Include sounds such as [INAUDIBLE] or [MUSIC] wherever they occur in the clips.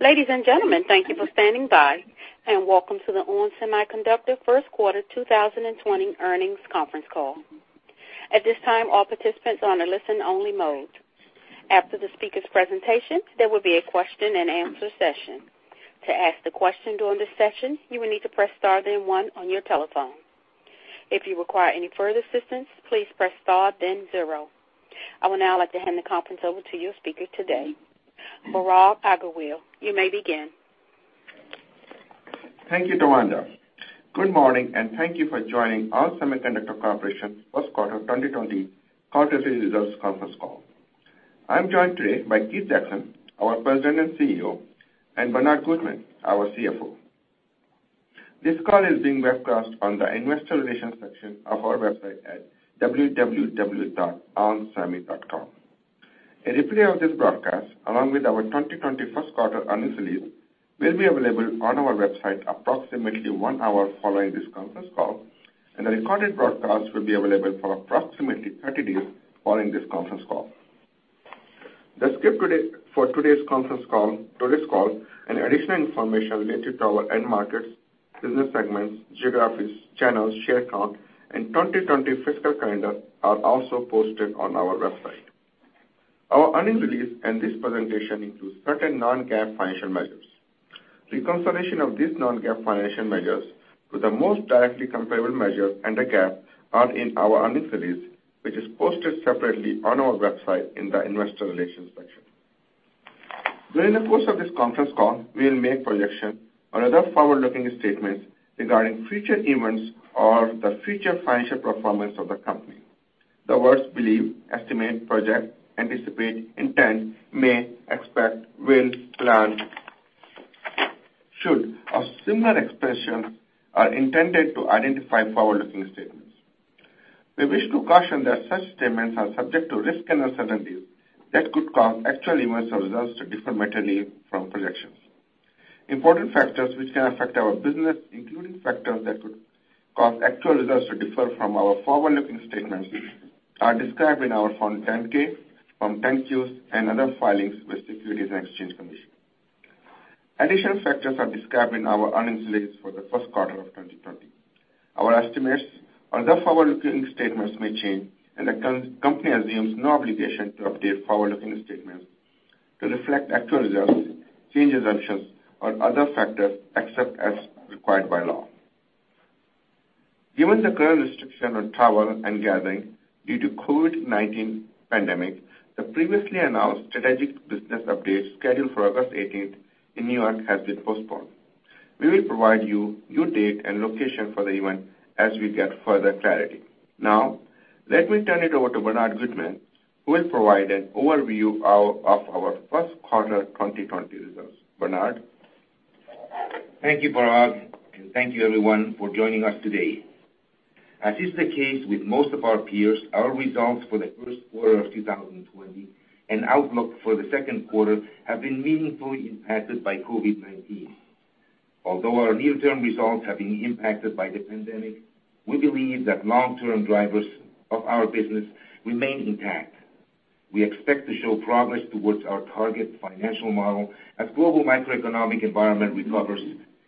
Ladies and gentlemen, thank you for standing by, and welcome to the ON Semiconductor first quarter 2020 earnings conference call. At this time, all participants are on a listen only mode. After the speakers' presentation, there will be a question and answer session. To ask the question during this session, you will need to press star then one on your telephone. If you require any further assistance, please press star then zero. I would now like to hand the conference over to your speaker today, Parag Agarwal. You may begin. Thank you, DuWanda. Good morning, and thank you for joining ON Semiconductor Corporation first quarter 2020 quarterly results conference call. I'm joined today by Keith Jackson, our President and CEO, and Bernard Gutmann, our CFO. This call is being webcast on the investor relations section of our website at www.onsemi.com. A replay of this broadcast, along with our 2020 first quarter earnings release, will be available on our website approximately one hour following this conference call, and a recorded broadcast will be available for approximately 30 days following this conference call. The script for today's call and additional information related to our end markets, business segments, geographies, channels, share count, and 2020 fiscal calendar are also posted on our website. Our earnings release and this presentation includes certain non-GAAP financial measures. Reconciliation of these non-GAAP financial measures to the most directly comparable measure under GAAP are in our earnings release, which is posted separately on our website in the investor relations section. During the course of this conference call, we'll make projections or other forward-looking statements regarding future events or the future financial performance of the company. The words believe, estimate, project, anticipate, intend, may, expect, will, plan, should, or similar expressions are intended to identify forward-looking statements. We wish to caution that such statements are subject to risks and uncertainties that could cause actual events or results to differ materially from projections. Important factors which can affect our business, including factors that could cause actual results to differ from our forward-looking statements, are described in our Form 10-K, Form 10-Qs, and other filings with Securities and Exchange Commission. Additional factors are described in our earnings release for the first quarter of 2020. Our estimates or the forward-looking statements may change, and the company assumes no obligation to update forward-looking statements to reflect actual results, changed assumptions, or other factors, except as required by law. Given the current restriction on travel and gathering due to COVID-19 pandemic, the previously announced strategic business update scheduled for August 18th in New York has been postponed. We will provide you new date and location for the event as we get further clarity. Now, let me turn it over to Bernard Gutmann, who will provide an overview of our first quarter 2020 results. Bernard? Thank you, Parag, and thank you everyone for joining us today. As is the case with most of our peers, our results for the first quarter of 2020 and outlook for the second quarter have been meaningfully impacted by COVID-19. Although our near-term results have been impacted by the pandemic, we believe that long-term drivers of our business remain intact. We expect to show progress towards our target financial model as global macroeconomic environment recovers,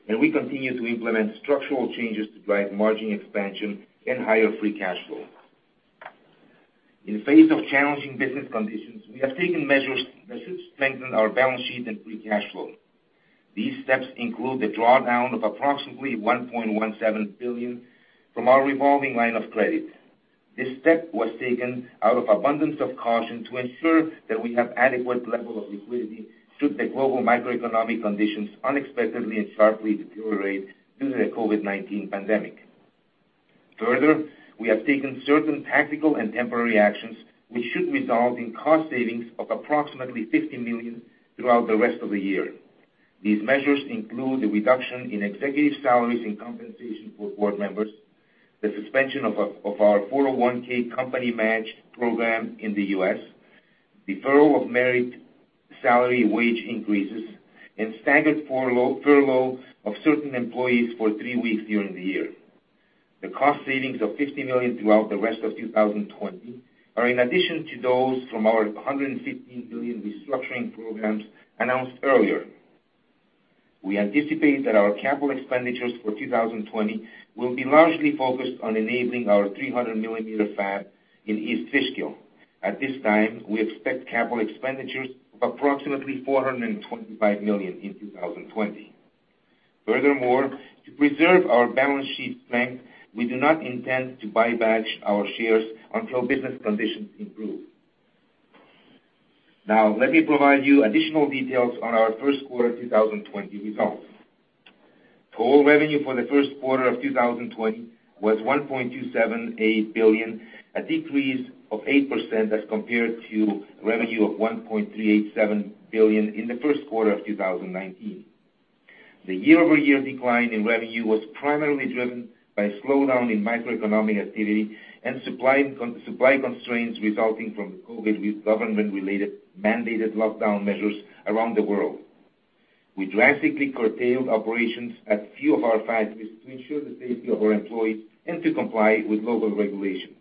and we continue to implement structural changes to drive margin expansion and higher free cash flow. In face of challenging business conditions, we have taken measures that should strengthen our balance sheet and free cash flow. These steps include the drawdown of approximately $1.17 billion from our revolving line of credit. This step was taken out of abundance of caution to ensure that we have adequate level of liquidity should the global macroeconomic conditions unexpectedly and sharply deteriorate due to the COVID-19 pandemic. We have taken certain tactical and temporary actions which should result in cost savings of approximately $50 million throughout the rest of the year. These measures include the reduction in executive salaries and compensation for board members, the suspension of our 401(k) company-matched program in the U.S., deferral of merit salary wage increases, and staggered furlough of certain employees for three weeks during the year. The cost savings of $50 million throughout the rest of 2020 are in addition to those from our $150 million restructuring programs announced earlier. We anticipate that our capital expenditures for 2020 will be largely focused on enabling our 300 mm fab in East Fishkill. At this time, we expect capital expenditures of approximately $425 million in 2020. Furthermore, to preserve our balance sheet strength, we do not intend to buy back our shares until business conditions improve. Now, let me provide you additional details on our first quarter 2020 results. Total revenue for the first quarter of 2020 was $1.278 billion, a decrease of 8% as compared to revenue of $1.387 billion in the first quarter of 2019. The year-over-year decline in revenue was primarily driven by slowdown in macroeconomic activity and supply constraints resulting from COVID with government-related mandated lockdown measures around the world. We drastically curtailed operations at few of our factories to ensure the safety of our employees and to comply with local regulations.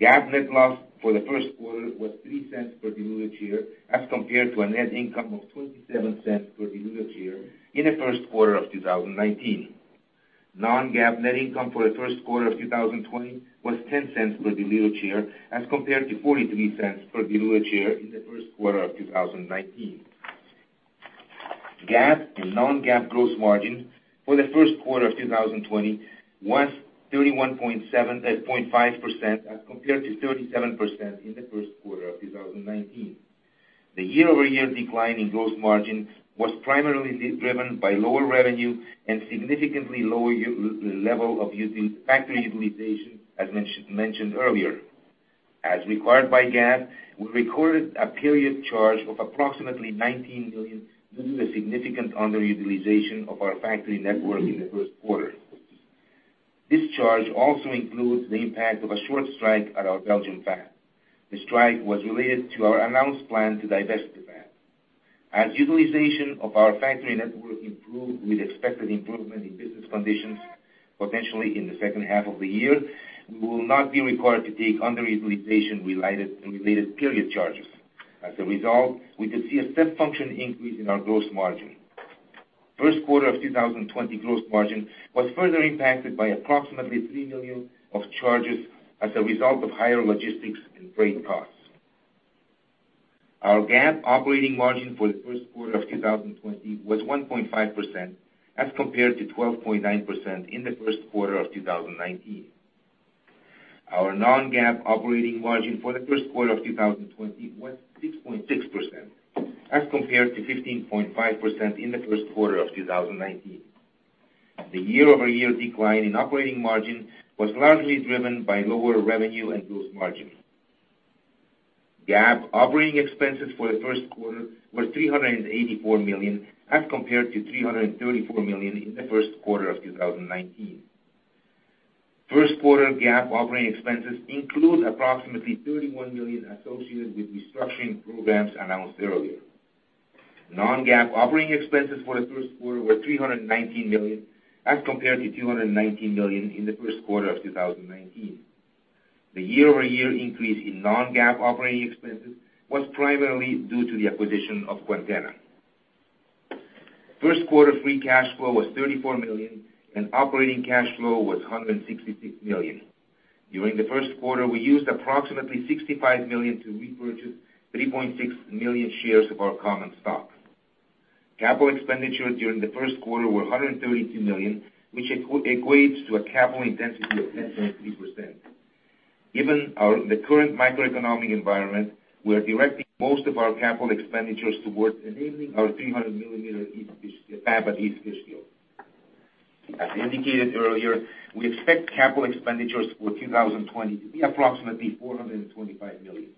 GAAP net loss for the first quarter was $0.03 per diluted share as compared to a net income of $0.27 per diluted share in the first quarter of 2019. non-GAAP net income for the first quarter of 2020 was $0.10 per diluted share as compared to $0.43 per diluted share in the first quarter of 2019. GAAP and non-GAAP gross margin for the first quarter of 2020 was [INAUDIBLE] as compared to 37% in the first quarter of 2019. The year-over-year decline in gross margin was primarily driven by lower revenue and significantly lower level of factory utilization, as mentioned earlier. As required by GAAP, we recorded a period charge of approximately $19 million due to the significant underutilization of our factory network in the first quarter. This charge also includes the impact of a short strike at our Belgium plant. The strike was related to our announced plan to divest the plant. As utilization of our factory network improve with expected improvement in business conditions potentially in the second half of the year, we will not be required to take underutilization-related period charges. As a result, we could see a step function increase in our gross margin. First quarter of 2020 gross margin was further impacted by approximately $3 million of charges as a result of higher logistics and freight costs. Our GAAP operating margin for the first quarter of 2020 was 1.5% as compared to 12.9% in the first quarter of 2019. Our non-GAAP operating margin for the first quarter of 2020 was 6.6%, as compared to 15.5% in the first quarter of 2019. The year-over-year decline in operating margin was largely driven by lower revenue and gross margin. GAAP operating expenses for the first quarter were $384 million, as compared to $334 million in the first quarter of 2019. First quarter GAAP operating expenses include approximately $31 million associated with restructuring programs announced earlier. Non-GAAP operating expenses for the first quarter were $319 million as compared to $219 million in the first quarter of 2019. The year-over-year increase in non-GAAP operating expenses was primarily due to the acquisition of Quantenna. First quarter free cash flow was $34 million, and operating cash flow was $166 million. During the first quarter, we used approximately $65 million to repurchase 3.6 million shares of our common stock. Capital expenditures during the first quarter were $132 million, which equates to a capital intensity of 10.3%. Given the current macroeconomic environment, we are directing most of our capital expenditures towards enabling our 300 mm fab at East Fishkill. As indicated earlier, we expect capital expenditures for 2020 to be approximately $425 million.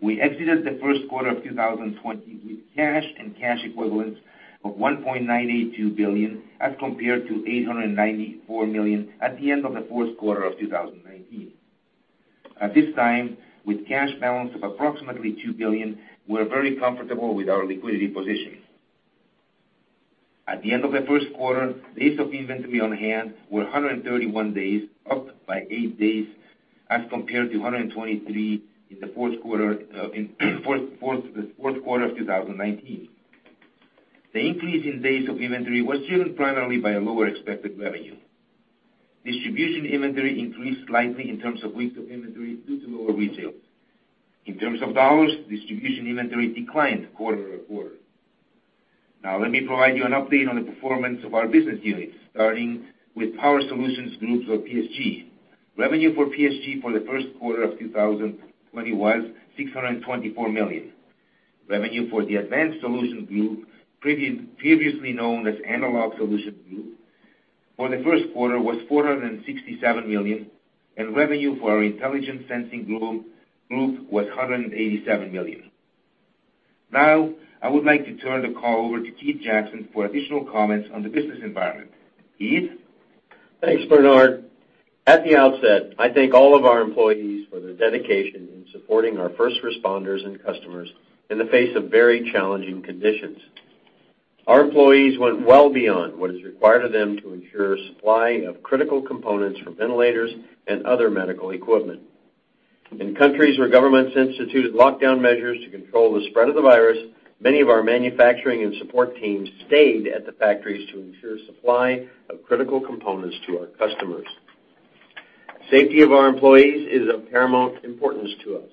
We exited the first quarter of 2020 with cash and cash equivalents of $1.982 billion as compared to $894 million at the end of the fourth quarter of 2019. At this time, with cash balance of approximately $2 billion, we're very comfortable with our liquidity position. At the end of the first quarter, days of inventory on hand were 131 days, up by eight days as compared to 123 in the fourth quarter of 2019. The increase in days of inventory was driven primarily by a lower expected revenue. Distribution inventory increased slightly in terms of weeks of inventory due to lower retail. In terms of Dollars, distribution inventory declined quarter-over-quarter. Let me provide you an update on the performance of our business units, starting with Power Solutions Group or PSG. Revenue for PSG for the first quarter of 2020 was $624 million. Revenue for the Advanced Solutions Group, previously known as Analog Solution Group, for the first quarter was $467 million, and revenue for our Intelligent Sensing Group was $187 million. I would like to turn the call over to Keith Jackson for additional comments on the business environment. Keith? Thanks, Bernard. At the outset, I thank all of our employees for their dedication in supporting our first responders and customers in the face of very challenging conditions. Our employees went well beyond what is required of them to ensure supply of critical components for ventilators and other medical equipment. In countries where governments instituted lockdown measures to control the spread of the virus, many of our manufacturing and support teams stayed at the factories to ensure supply of critical components to our customers. Safety of our employees is of paramount importance to us.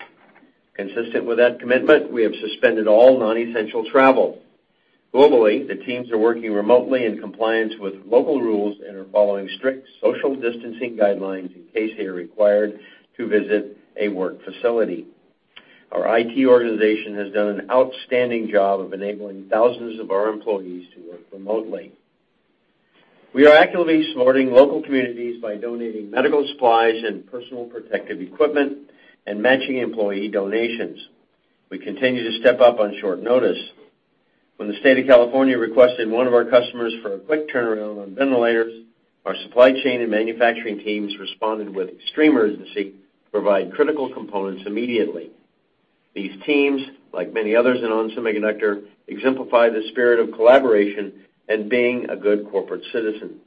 Consistent with that commitment, we have suspended all non-essential travel. Globally, the teams are working remotely in compliance with local rules and are following strict social distancing guidelines in case they are required to visit a work facility. Our IT organization has done an outstanding job of enabling thousands of our employees to work remotely. We are actively supporting local communities by donating medical supplies and personal protective equipment and matching employee donations. We continue to step up on short notice. When the state of California requested one of our customers for a quick turnaround on ventilators, our supply chain and manufacturing teams responded with extreme urgency to provide critical components immediately. These teams, like many others in ON Semiconductor, exemplify the spirit of collaboration and being a good corporate citizen.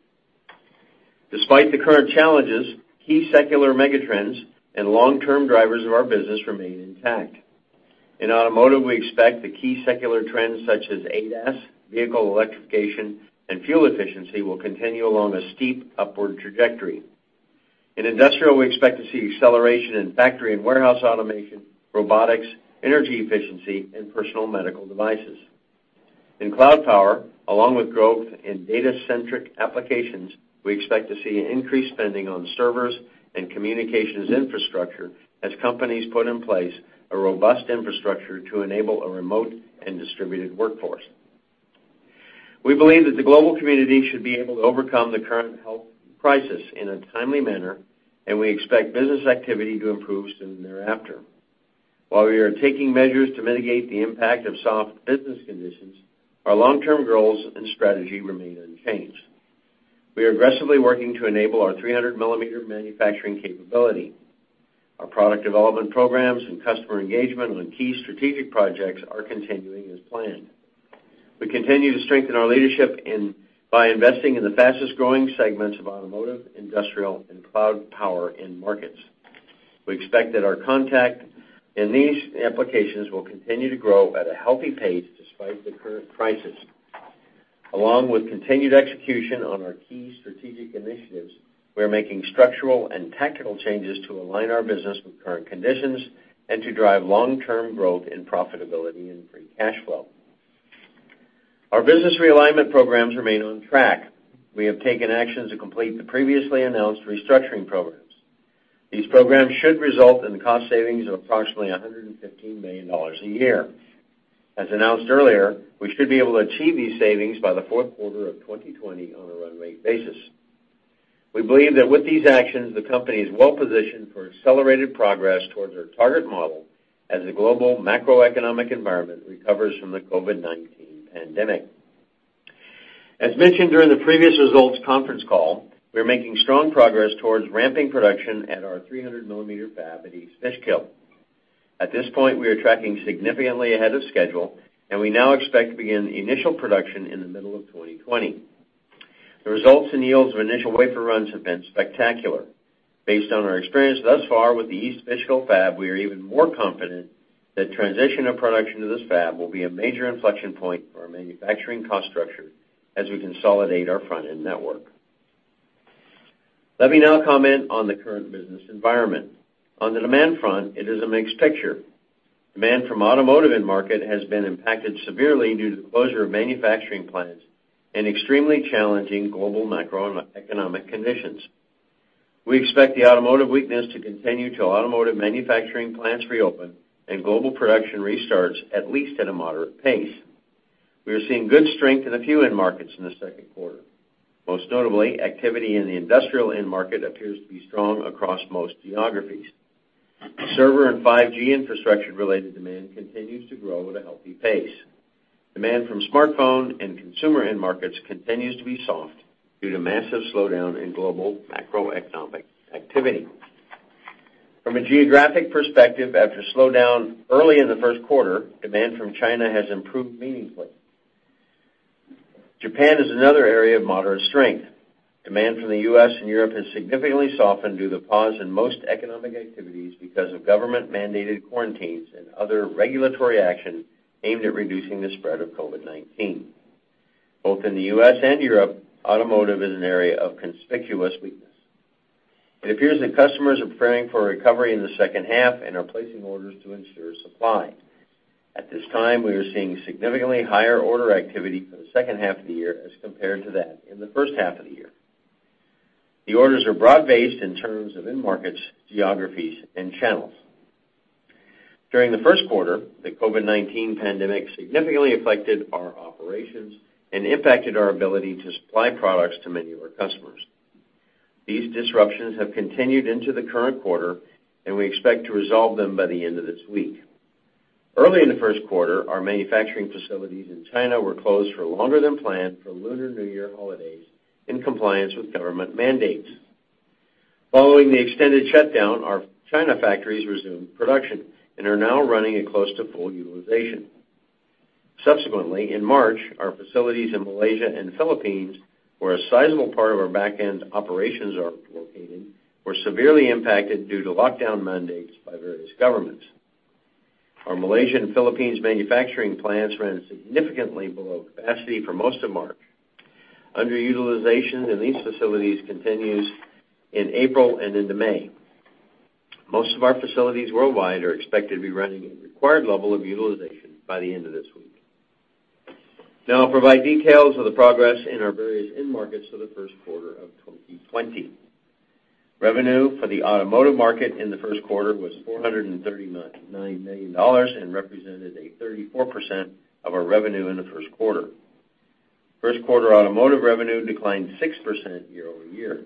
Despite the current challenges, key secular megatrends and long-term drivers of our business remain intact. In automotive, we expect the key secular trends such as ADAS, vehicle electrification, and fuel efficiency will continue along a steep upward trajectory. In industrial, we expect to see acceleration in factory and warehouse automation, robotics, energy efficiency, and personal medical devices. In cloud power, along with growth in data-centric applications, we expect to see increased spending on servers and communications infrastructure as companies put in place a robust infrastructure to enable a remote and distributed workforce. We believe that the global community should be able to overcome the current health crisis in a timely manner, and we expect business activity to improve soon thereafter. While we are taking measures to mitigate the impact of soft business conditions, our long-term goals and strategy remain unchanged. We are aggressively working to enable our 300 mm manufacturing capability. Our product development programs and customer engagement on key strategic projects are continuing as planned. We continue to strengthen our leadership by investing in the fastest-growing segments of automotive, industrial, and cloud power end markets. We expect that our contact in these applications will continue to grow at a healthy pace despite the current crisis. Along with continued execution on our key strategic initiatives, we are making structural and tactical changes to align our business with current conditions and to drive long-term growth and profitability in free cash flow. Our business realignment programs remain on track. We have taken action to complete the previously announced restructuring programs. These programs should result in cost savings of approximately $115 million a year. As announced earlier, we should be able to achieve these savings by the fourth quarter of 2020 on a runway basis. We believe that with these actions, the company is well positioned for accelerated progress towards our target model as the global macroeconomic environment recovers from the COVID-19 pandemic. As mentioned during the previous results conference call, we are making strong progress towards ramping production at our 300-millimeter fab at East Fishkill. At this point, we are tracking significantly ahead of schedule, and we now expect to begin initial production in the middle of 2020. The results and yields of initial wafer runs have been spectacular. Based on our experience thus far with the East Fishkill fab, we are even more confident that transition of production to this fab will be a major inflection point for our manufacturing cost structure as we consolidate our front-end network. Let me now comment on the current business environment. On the demand front, it is a mixed picture. Demand from automotive end market has been impacted severely due to the closure of manufacturing plants and extremely challenging global macroeconomic conditions. We expect the automotive weakness to continue till automotive manufacturing plants reopen and global production restarts at least at a moderate pace. We are seeing good strength in a few end markets in the second quarter. Most notably, activity in the industrial end market appears to be strong across most geographies. Server and 5G infrastructure related demand continues to grow at a healthy pace. Demand from smartphone and consumer end markets continues to be soft due to massive slowdown in global macroeconomic activity. From a geographic perspective, after a slowdown early in the first quarter, demand from China has improved meaningfully. Japan is another area of moderate strength. Demand from the U.S. and Europe has significantly softened due to pause in most economic activities because of government-mandated quarantines and other regulatory action aimed at reducing the spread of COVID-19. Both in the U.S. and Europe, automotive is an area of conspicuous weakness. It appears that customers are preparing for a recovery in the second half and are placing orders to ensure supply. At this time, we are seeing significantly higher order activity for the second half of the year as compared to that in the first half of the year. The orders are broad-based in terms of end markets, geographies, and channels. During the first quarter, the COVID-19 pandemic significantly affected our operations and impacted our ability to supply products to many of our customers. These disruptions have continued into the current quarter, and we expect to resolve them by the end of this week. Early in the first quarter, our manufacturing facilities in China were closed for longer than planned for Lunar New Year holidays in compliance with government mandates. Following the extended shutdown, our China factories resumed production and are now running at close to full utilization. Subsequently, in March, our facilities in Malaysia and Philippines, where a sizable part of our back-end operations are located, were severely impacted due to lockdown mandates by various governments. Our Malaysia and Philippines manufacturing plants ran significantly below capacity for most of March. Underutilization in these facilities continues in April and into May. Most of our facilities worldwide are expected to be running at required level of utilization by the end of this week. I'll provide details of the progress in our various end markets for the first quarter of 2020. Revenue for the automotive market in the first quarter was $439 million and represented a 34% of our revenue in the first quarter. First quarter automotive revenue declined 6% year-over-year.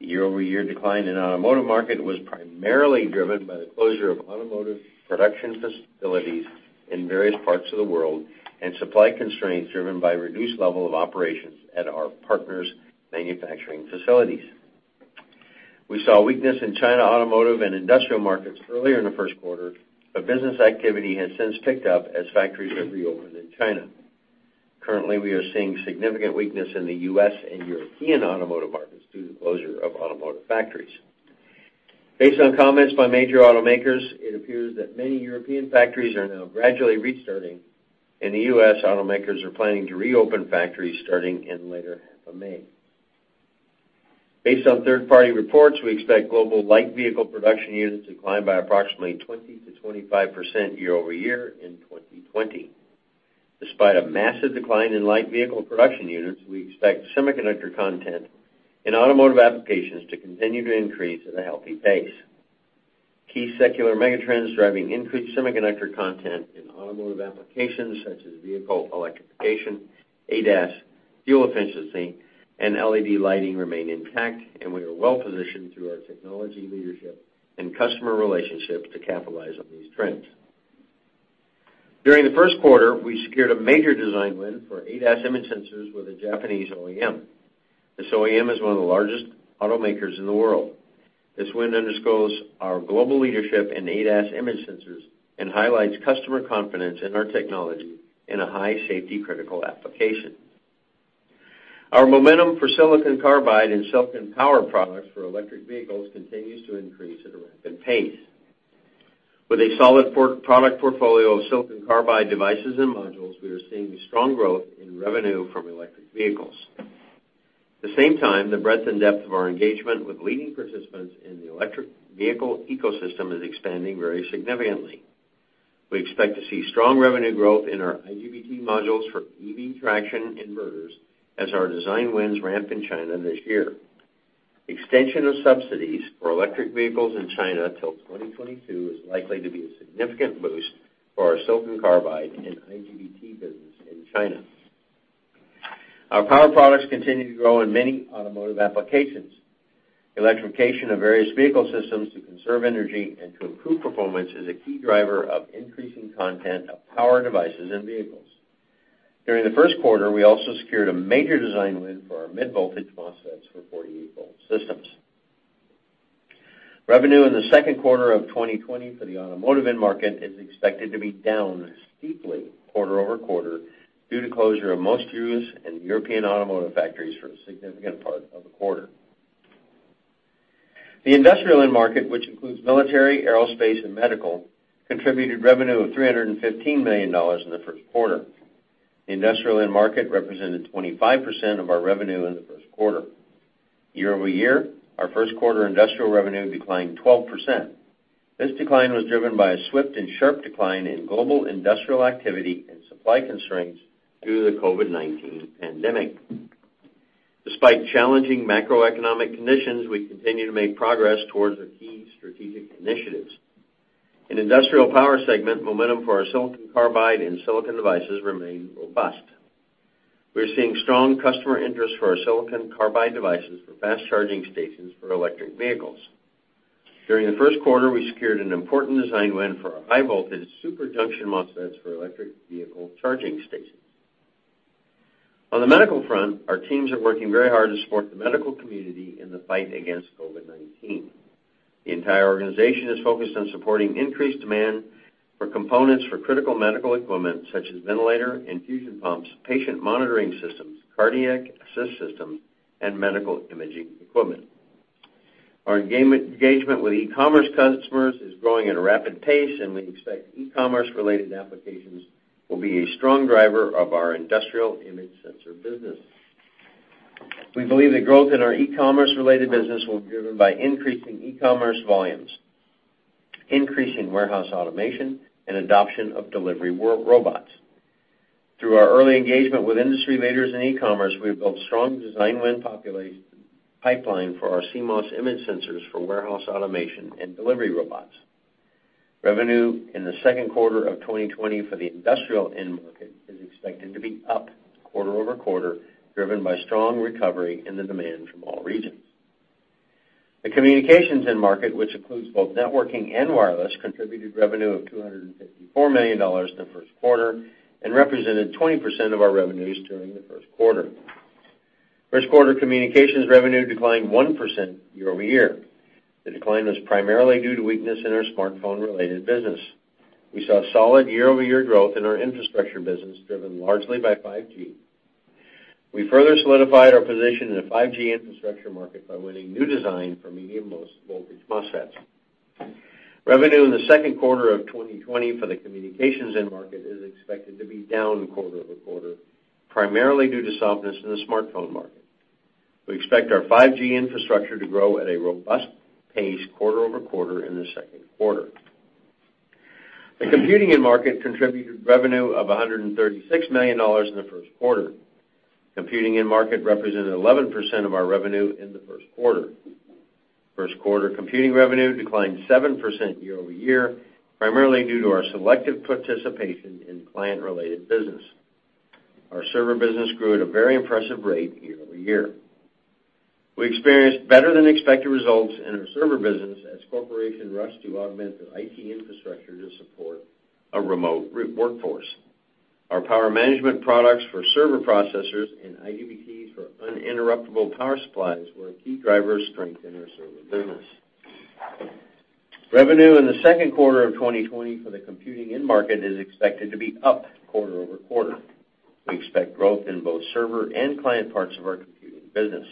The year-over-year decline in automotive market was primarily driven by the closure of automotive production facilities in various parts of the world and supply constraints driven by reduced level of operations at our partners' manufacturing facilities. We saw weakness in China automotive and industrial markets earlier in the first quarter. Business activity has since picked up as factories have reopened in China. Currently, we are seeing significant weakness in the U.S. and European automotive markets due to the closure of automotive factories. Based on comments by major automakers, it appears that many European factories are now gradually restarting. In the U.S., automakers are planning to reopen factories starting in later half of May. Based on third-party reports, we expect global light vehicle production units to decline by approximately 20%-25% year-over-year in 2020. Despite a massive decline in light vehicle production units, we expect semiconductor content in automotive applications to continue to increase at a healthy pace. Key secular megatrends driving increased semiconductor content in automotive applications such as vehicle electrification, ADAS, fuel efficiency, and LED lighting remain intact, and we are well positioned through our technology leadership and customer relationships to capitalize on these trends. During the first quarter, we secured a major design win for ADAS image sensors with a Japanese OEM. This OEM is one of the largest automakers in the world. This win underscores our global leadership in ADAS image sensors and highlights customer confidence in our technology in a high safety-critical application. Our momentum for silicon carbide and silicon power products for electric vehicles continues to increase at a rapid pace. With a solid product portfolio of silicon carbide devices and modules, we are seeing strong growth in revenue from electric vehicles. At the same time, the breadth and depth of our engagement with leading participants in the electric vehicle ecosystem is expanding very significantly. We expect to see strong revenue growth in our IGBT modules for EV traction inverters as our design wins ramp in China this year. Extension of subsidies for electric vehicles in China till 2022 is likely to be a significant boost for our silicon carbide and IGBT business in China. Our power products continue to grow in many automotive applications. Electrification of various vehicle systems to conserve energy and to improve performance is a key driver of increasing content of power devices in vehicles. During the first quarter, we also secured a major design win for our mid-voltage MOSFETs for 48-volt systems. Revenue in the second quarter of 2020 for the automotive end market is expected to be down steeply quarter-over-quarter due to closure of most U.S. and European automotive factories for a significant part of the quarter. The industrial end market, which includes military, aerospace, and medical, contributed revenue of $315 million in the first quarter. The industrial end market represented 25% of our revenue in the first quarter. Year-over-year, our first quarter industrial revenue declined 12%. This decline was driven by a swift and sharp decline in global industrial activity and supply constraints due to the COVID-19 pandemic. Despite challenging macroeconomic conditions, we continue to make progress towards our key strategic initiatives. In Industrial Power segment, momentum for our silicon carbide and silicon devices remain robust. We are seeing strong customer interest for our silicon carbide devices for fast charging stations for electric vehicles. During the first quarter, we secured an important design win for our high-voltage super junction MOSFETs for electric vehicle charging stations. On the medical front, our teams are working very hard to support the medical community in the fight against COVID-19. The entire organization is focused on supporting increased demand for components for critical medical equipment such as ventilator, infusion pumps, patient monitoring systems, cardiac assist systems, and medical imaging equipment. We expect e-commerce related applications will be a strong driver of our industrial image sensor business. We believe the growth in our e-commerce related business will be driven by increasing e-commerce volumes, increasing warehouse automation, and adoption of delivery robots. Through our early engagement with industry leaders in e-commerce, we've built strong design win pipeline for our CMOS image sensors for warehouse automation and delivery robots. Revenue in the second quarter of 2020 for the industrial end market is expected to be up quarter-over-quarter, driven by strong recovery in the demand from all regions. The communications end market, which includes both networking and wireless, contributed revenue of $254 million in the first quarter and represented 20% of our revenues during the first quarter. First quarter communications revenue declined 1% year-over-year. The decline was primarily due to weakness in our smartphone-related business. We saw solid year-over-year growth in our infrastructure business, driven largely by 5G. We further solidified our position in the 5G infrastructure market by winning new design for medium voltage MOSFETs. Revenue in the second quarter of 2020 for the communications end market is expected to be down quarter-over-quarter, primarily due to softness in the smartphone market. We expect our 5G infrastructure to grow at a robust pace quarter-over-quarter in the second quarter. The computing end market contributed revenue of $136 million in the first quarter. Computing end market represented 11% of our revenue in the first quarter. First quarter computing revenue declined 7% year-over-year, primarily due to our selective participation in client-related business. Our server business grew at a very impressive rate year-over-year. We experienced better than expected results in our server business as corporations rushed to augment their IT infrastructure to support a remote workforce. Our power management products for server processors and IGBTs for uninterruptible power supplies were a key driver strengthening our server business. Revenue in the second quarter of 2020 for the computing end market is expected to be up quarter-over-quarter. We expect growth in both server and client parts of our computing business.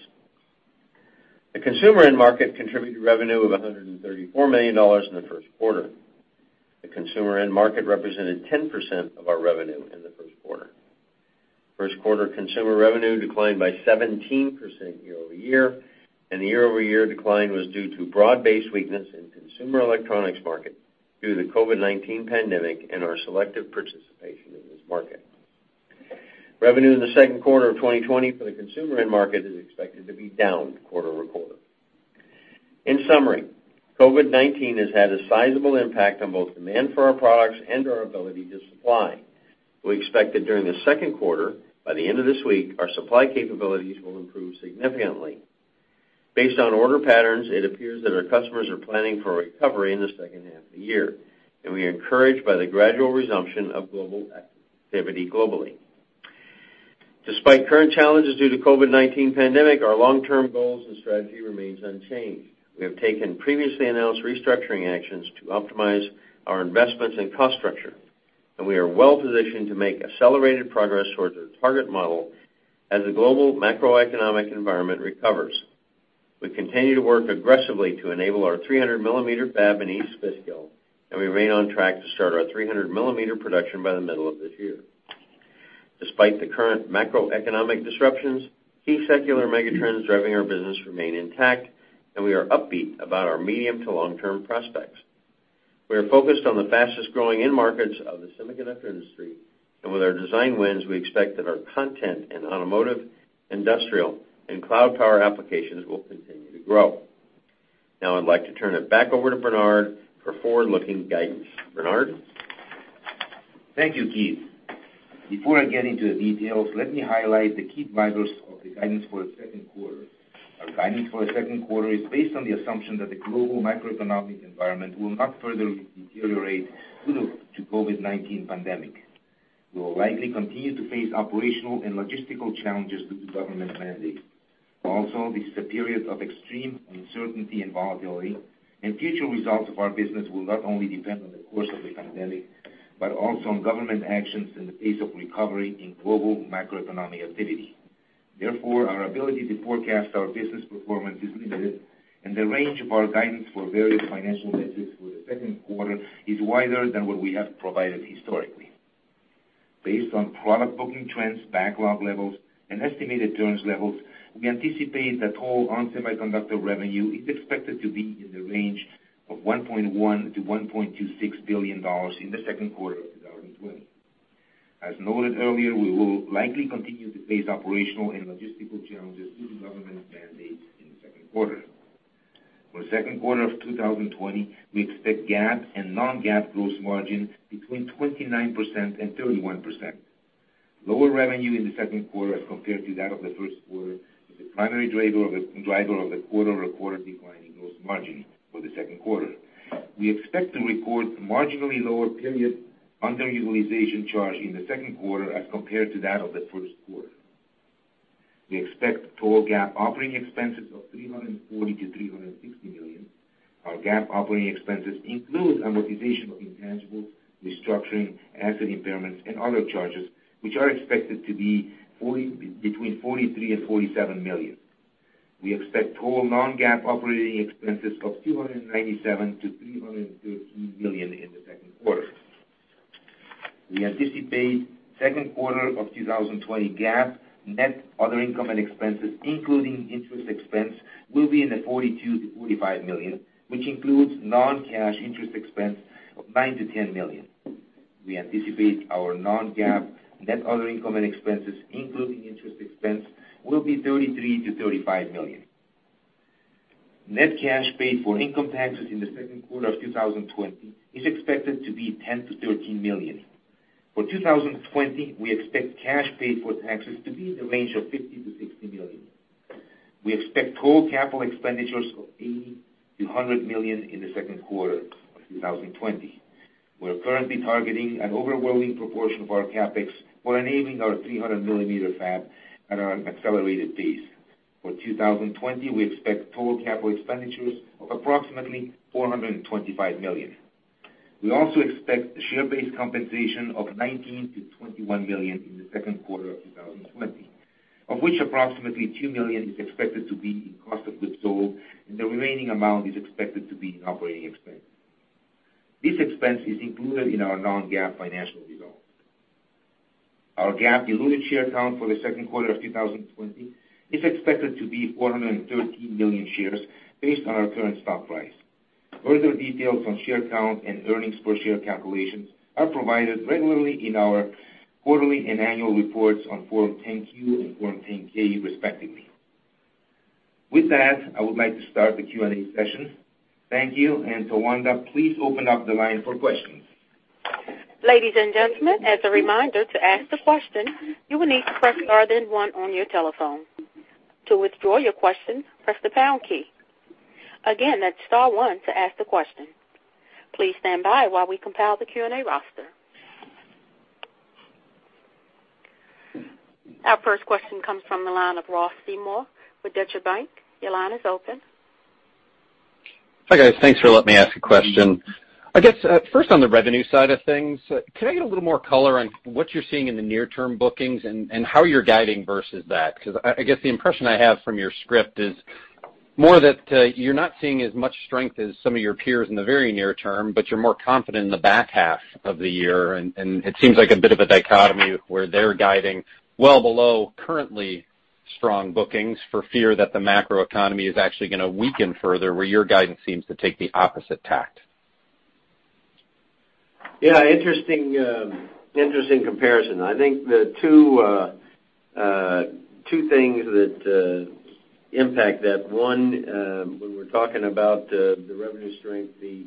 The consumer end market contributed revenue of $134 million in the first quarter. The consumer end market represented 10% of our revenue in the first quarter. First quarter consumer revenue declined by 17% year-over-year, and the year-over-year decline was due to broad-based weakness in consumer electronics market due to the COVID-19 pandemic and our selective participation in this market. Revenue in the second quarter of 2020 for the consumer end market is expected to be down quarter-over-quarter. In summary, COVID-19 has had a sizable impact on both demand for our products and our ability to supply. We expect that during the second quarter, by the end of this week, our supply capabilities will improve significantly. Based on order patterns, it appears that our customers are planning for a recovery in the second half of the year, and we are encouraged by the gradual resumption of global activity globally. Despite current challenges due to COVID-19 pandemic, our long-term goals and strategy remains unchanged. We have taken previously announced restructuring actions to optimize our investments and cost structure, and we are well-positioned to make accelerated progress towards our target model as the global macroeconomic environment recovers. We continue to work aggressively to enable our 300 mm fab in East Fishkill, and we remain on track to start our 300 mm production by the middle of this year. Despite the current macroeconomic disruptions, key secular megatrends driving our business remain intact, and we are upbeat about our medium to long-term prospects. We are focused on the fastest-growing end markets of the semiconductor industry. With our design wins, we expect that our content in automotive, industrial, and cloud power applications will continue to grow. Now I'd like to turn it back over to Bernard for forward-looking guidance. Bernard? Thank you, Keith. Before I get into the details, let me highlight the key drivers of the guidance for the second quarter. Our guidance for the second quarter is based on the assumption that the global macroeconomic environment will not further deteriorate due to COVID-19 pandemic. We will likely continue to face operational and logistical challenges due to government mandates. Also, this is a period of extreme uncertainty and volatility, and future results of our business will not only depend on the course of the pandemic, but also on government actions and the pace of recovery in global macroeconomic activity. Therefore, our ability to forecast our business performance is limited, and the range of our guidance for various financial measures for the second quarter is wider than what we have provided historically. Based on product booking trends, backlog levels, and estimated turns levels, we anticipate that total ON Semiconductor revenue is expected to be in the range of $1.1 billion-$1.26 billion in the second quarter of 2020. As noted earlier, we will likely continue to face operational and logistical challenges due to government mandates in the second quarter. For the second quarter of 2020, we expect GAAP and non-GAAP gross margin between 29% and 31%. Lower revenue in the second quarter as compared to that of the first quarter is the primary driver of the quarter-over-quarter decline in gross margin for the second quarter. We expect to record marginally lower period underutilization charge in the second quarter as compared to that of the first quarter. We expect total GAAP operating expenses of $340 million-$360 million. Our GAAP operating expenses include amortization of intangibles, restructuring, asset impairments, and other charges, which are expected to be between $43 million and $47 million. We expect total non-GAAP operating expenses of $297 million-$313 million in the second quarter. We anticipate second quarter of 2020 GAAP net other income and expenses, including interest expense, will be in the $42 million-$45 million, which includes non-cash interest expense of $9 million-$10 million. We anticipate our non-GAAP net other income and expenses, including interest expense, will be $33 million-$35 million. Net cash paid for income taxes in the second quarter of 2020 is expected to be $10 million-$13 million. For 2020, we expect cash paid for taxes to be in the range of $50 million-$60 million. We expect total CapEx of $80 million-$100 million in the second quarter of 2020. We're currently targeting an overwhelming proportion of our CapEx for enabling our 300 mm fab at an accelerated pace. For 2020, we expect total capital expenditures of approximately $425 million. We also expect share-based compensation of $19 million-$21 million in the second quarter of 2020, of which approximately $2 million is expected to be in cost of goods sold, and the remaining amount is expected to be in operating expense. This expense is included in our non-GAAP financial results. Our GAAP diluted share count for the second quarter of 2020 is expected to be 413 million shares based on our current stock price. Further details on share count and earnings per share calculations are provided regularly in our quarterly and annual reports on Form 10-Q and Form 10-K, respectively. With that, I would like to start the Q&A session. Thank you. DuWanda, please open up the line for questions. Ladies and gentlemen, as a reminder, to ask the question, you will need to press star then one on your telephone. To withdraw your question, press the pound key. Again, that's star one to ask the question. Please stand by while we compile the Q&A roster. Our first question comes from the line of Ross Seymore with Deutsche Bank. Your line is open. Hi, guys. Thanks for letting me ask a question. I guess, first on the revenue side of things, could I get a little more color on what you're seeing in the near-term bookings and how you're guiding versus that? Because I guess the impression I have from your script is more that you're not seeing as much strength as some of your peers in the very near term, but you're more confident in the back half of the year. It seems like a bit of a dichotomy where they're guiding well below currently strong bookings for fear that the macroeconomy is actually going to weaken further, where your guidance seems to take the opposite tact. Yeah, interesting comparison. I think the two things that impact that, one, when we're talking about the revenue strength, the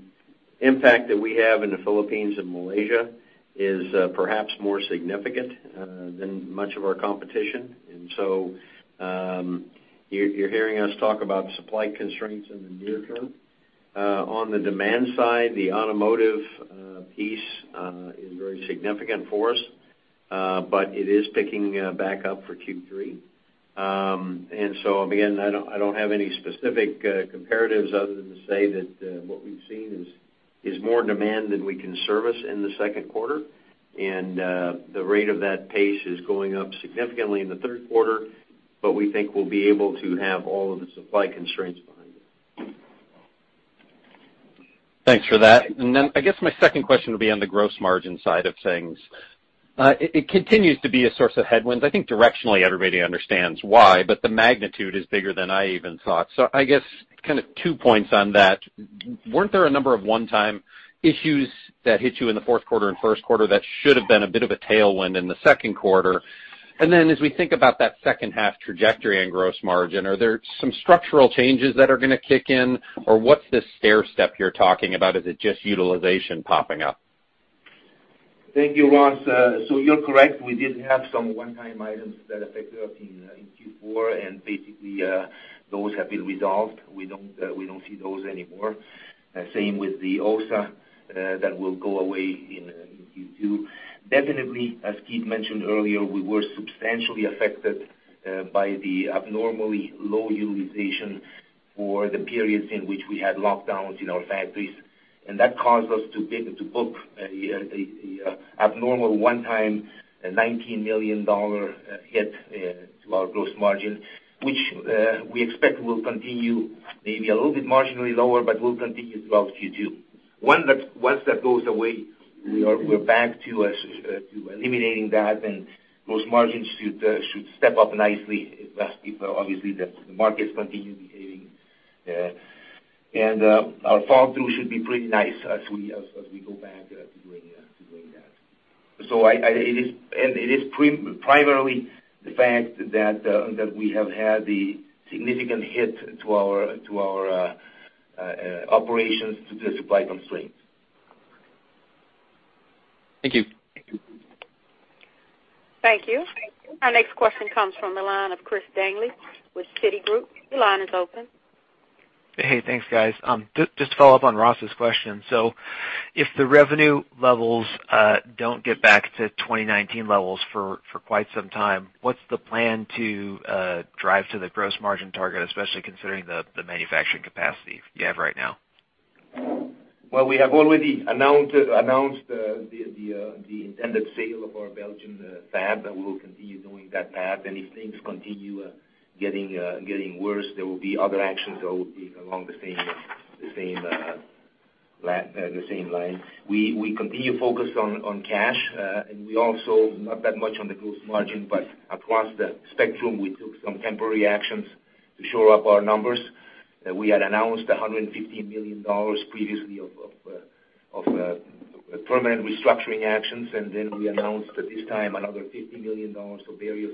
impact that we have in the Philippines and Malaysia is perhaps more significant than much of our competition. You're hearing us talk about supply constraints in the near term. On the demand side, the automotive piece is very significant for us. It is picking back up for Q3. Again, I don't have any specific comparatives other than to say that what we've seen is more demand than we can service in the second quarter. The rate of that pace is going up significantly in the third quarter, but we think we'll be able to have all of the supply constraints behind it. Thanks for that. I guess my second question would be on the gross margin side of things. It continues to be a source of headwinds. I think directionally everybody understands why, but the magnitude is bigger than I even thought. I guess kind of two points on that. Weren't there a number of one-time issues that hit you in the fourth quarter and first quarter that should have been a bit of a tailwind in the second quarter? As we think about that second half trajectory and gross margin, are there some structural changes that are going to kick in, or what's this stairstep you're talking about? Is it just utilization popping up? Thank you, Ross. You're correct. We did have some one-time items that affected us in Q4. Basically, those have been resolved. We don't see those anymore. Same with the OSA that will go away in Q2. Definitely, as Keith mentioned earlier, we were substantially affected by the abnormally low utilization for the periods in which we had lockdowns in our factories. That caused us to book the abnormal one-time $19 million hit to our gross margin, which we expect will continue maybe a little bit marginally lower, but will continue throughout Q2. Once that goes away, we're back to eliminating that. Gross margins should step up nicely if obviously the markets continue behaving. Our fall-through should be pretty nice as we go back to doing that. It is primarily the fact that we have had the significant hit to our operations due to supply constraints. Thank you. Thank you. Our next question comes from the line of Chris Danley with Citigroup. Your line is open. Hey, thanks guys. Just to follow up on Ross's question. If the revenue levels don't get back to 2019 levels for quite some time, what's the plan to drive to the gross margin target, especially considering the manufacturing capacity you have right now? Well, we have already announced the intended sale of our Belgian fab. We will continue doing that fab. If things continue getting worse, there will be other actions that will be along the same line. We continue focus on cash. We also, not that much on the gross margin, but across the spectrum, we took some temporary actions to shore up our numbers. We had announced $150 million previously of permanent restructuring actions. We announced at this time another $50 million for various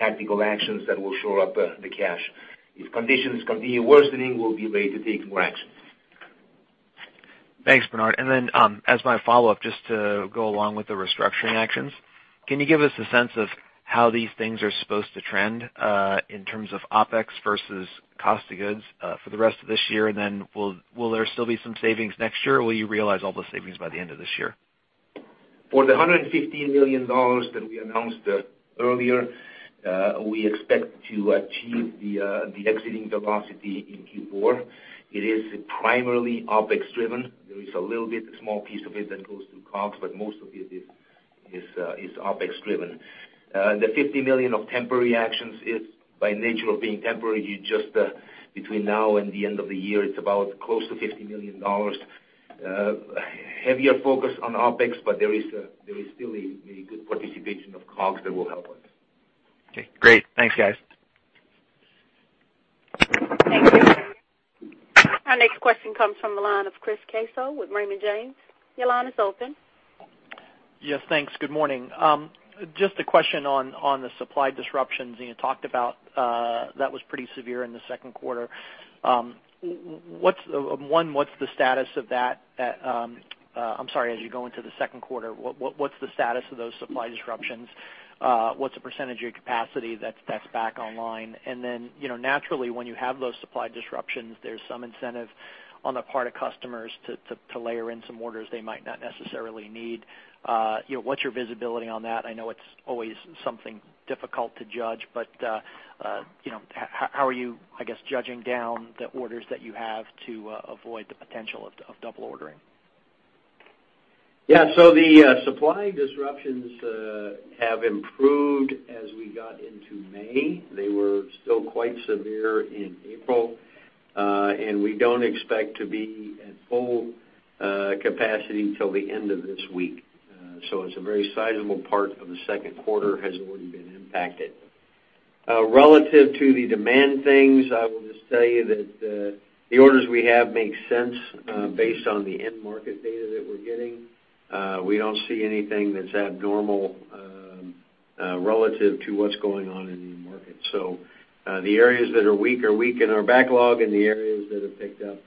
tactical actions that will shore up the cash. If conditions continue worsening, we'll be ready to take more actions. Thanks, Bernard. As my follow-up, just to go along with the restructuring actions, can you give us a sense of how these things are supposed to trend, in terms of OpEx versus cost of goods, for the rest of this year? Will there still be some savings next year, or will you realize all the savings by the end of this year? For the $150 million that we announced earlier, we expect to achieve the exiting velocity in Q4. It is primarily OpEx driven. There is a little bit, a small piece of it that goes to COGS, but most of it is OpEx driven. The $50 million of temporary actions is by nature of being temporary, you just, between now and the end of the year, it's about close to $50 million. Heavier focus on OpEx, but there is still a good participation of COGS that will help us. Okay, great. Thanks, guys. Thank you. Our next question comes from the line of Chris Caso with Raymond James. Your line is open. Yes, thanks. Good morning. Just a question on the supply disruptions you talked about that was pretty severe in the second quarter. One, I'm sorry, as you go into the second quarter, what's the status of those supply disruptions? What's the percentage of your capacity that's back online? Naturally, when you have those supply disruptions, there's some incentive on the part of customers to layer in some orders they might not necessarily need. What's your visibility on that? I know it's always something difficult to judge, how are you, I guess, judging down the orders that you have to avoid the potential of double ordering? Yeah. The supply disruptions have improved as we got into May. They were still quite severe in April. We don't expect to be at full capacity till the end of this week. It's a very sizeable part of the second quarter has already been impacted. Relative to the demand things, I will just tell you that the orders we have make sense based on the end market data that we're getting. We don't see anything that's abnormal relative to what's going on in the market. The areas that are weak are weak in our backlog, and the areas that have picked up,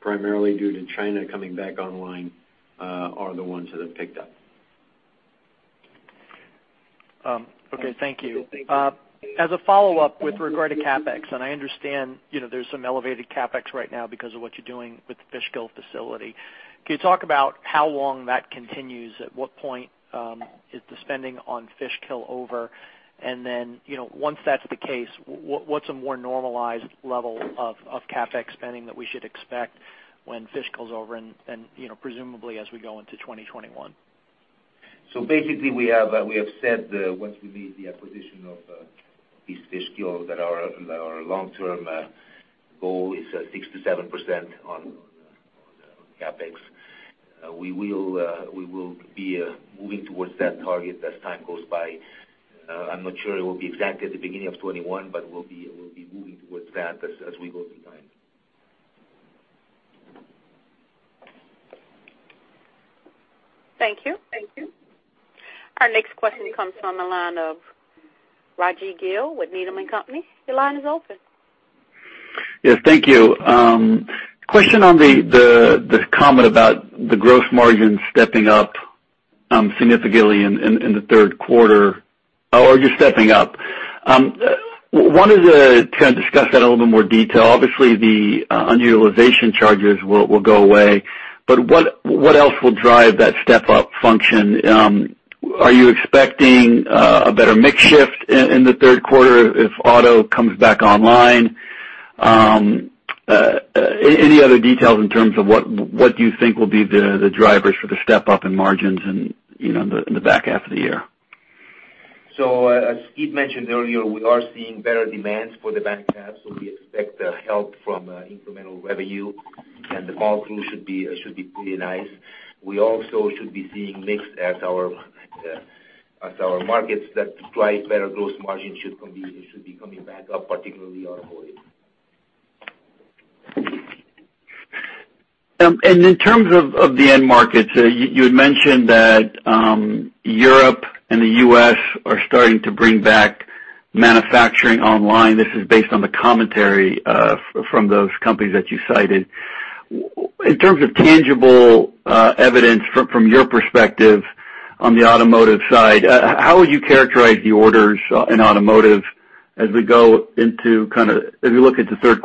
primarily due to China coming back online, are the ones that have picked up. Okay. Thank you. As a follow-up with regard to CapEx, and I understand there's some elevated CapEx right now because of what you're doing with the Fishkill facility. Can you talk about how long that continues? At what point is the spending on Fishkill over? Then, once that's the case, what's a more normalized level of CapEx spending that we should expect when Fishkill's over and presumably as we go into 2021? Basically, we have said once we made the acquisition of East Fishkill that our long-term goal is 6%-7% on CapEx. We will be moving towards that target as time goes by. I'm not sure it will be exactly at the beginning of 2021, but we'll be moving towards that as we go through time. Thank you. Our next question comes from the line of Raji Gill with Needham & Company. Your line is open. Yes. Thank you. Question on the comment about the gross margin stepping up significantly in the third quarter, or just stepping up. Wanted to kind of discuss that in a little bit more detail. Obviously, the unutilization charges will go away, but what else will drive that step-up function? Are you expecting a better mix shift in the third quarter if auto comes back online? Any other details in terms of what you think will be the drivers for the step-up in margins in the back half of the year? As Steve mentioned earlier, we are seeing better demands for the back half, so we expect help from incremental revenue, and the pull through should be pretty nice. We also should be seeing mix as our markets that drive better gross margin should be coming back up, particularly automotive. In terms of the end markets, you had mentioned that Europe and the U.S. are starting to bring back manufacturing online. This is based on the commentary from those companies that you cited. In terms of tangible evidence from your perspective on the automotive side, how would you characterize the orders in automotive as we look at the third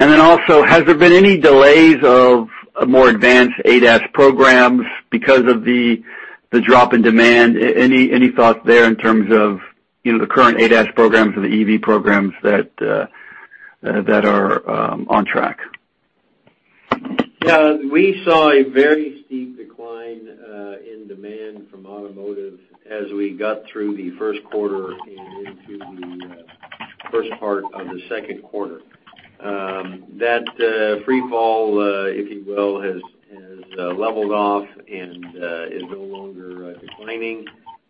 quarter? Has there been any delays of more advanced ADAS programs because of the drop in demand? Any thoughts there in terms of the current ADAS programs or the EV programs that are on track? We saw a very steep decline in demand from automotive as we got through the first quarter and into the first part of the second quarter. That free fall, if you will, has leveled off and is no longer declining.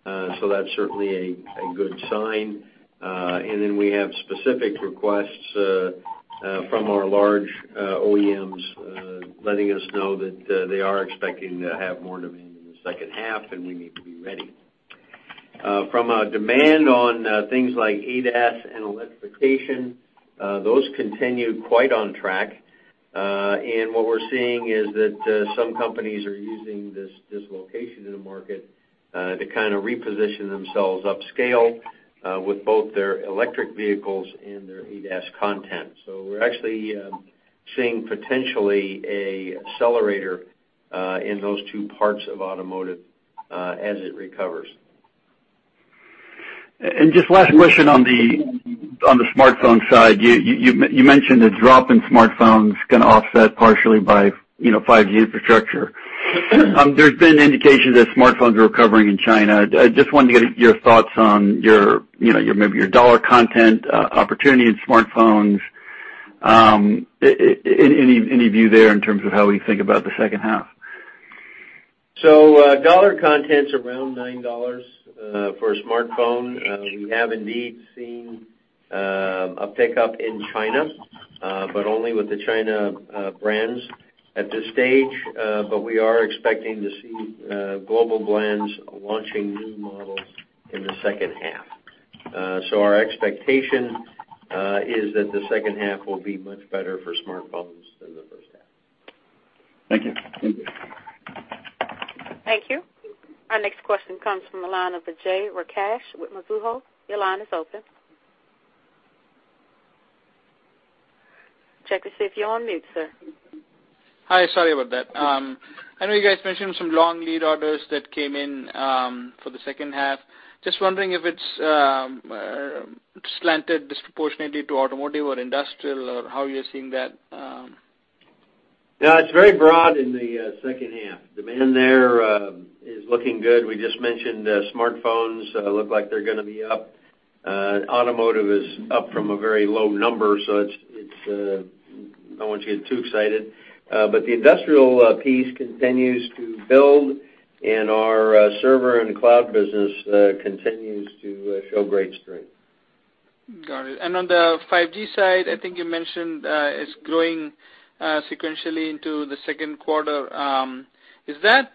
That's certainly a good sign. We have specific requests from our large OEMs letting us know that they are expecting to have more demand in the second half, and we need to be ready. From a demand on things like ADAS and electrification, those continue quite on track. What we're seeing is that some companies are using this dislocation in the market to kind of reposition themselves upscale with both their electric vehicles and their ADAS content. We're actually seeing potentially a accelerator in those two parts of automotive as it recovers. Just last question on the smartphone side. You mentioned a drop in smartphones kind of offset partially by 5G infrastructure. There has been indications that smartphones are recovering in China. I just wanted to get your thoughts on maybe your dollar content opportunity in smartphones. Any view there in terms of how we think about the second half? Dollar content's around $9 for a smartphone. We have indeed seen a pickup in China. Only with the China brands at this stage, but we are expecting to see global brands launching new models in the second half. Our expectation is that the second half will be much better for smartphones than the first half. Thank you. Thank you. Our next question comes from the line of Vijay Rakesh with Mizuho. Your line is open. Check to see if you're on mute, sir. Hi, sorry about that. I know you guys mentioned some long lead orders that came in for the second half. Just wondering if it's slanted disproportionately to automotive or industrial, or how you're seeing that. It's very broad in the second half. Demand there is looking good. We just mentioned smartphones look like they're going to be up. Automotive is up from a very low number, I don't want you to get too excited. The industrial piece continues to build, and our server and cloud business continues to show great strength. Got it. On the 5G side, I think you mentioned it's growing sequentially into the second quarter. Is that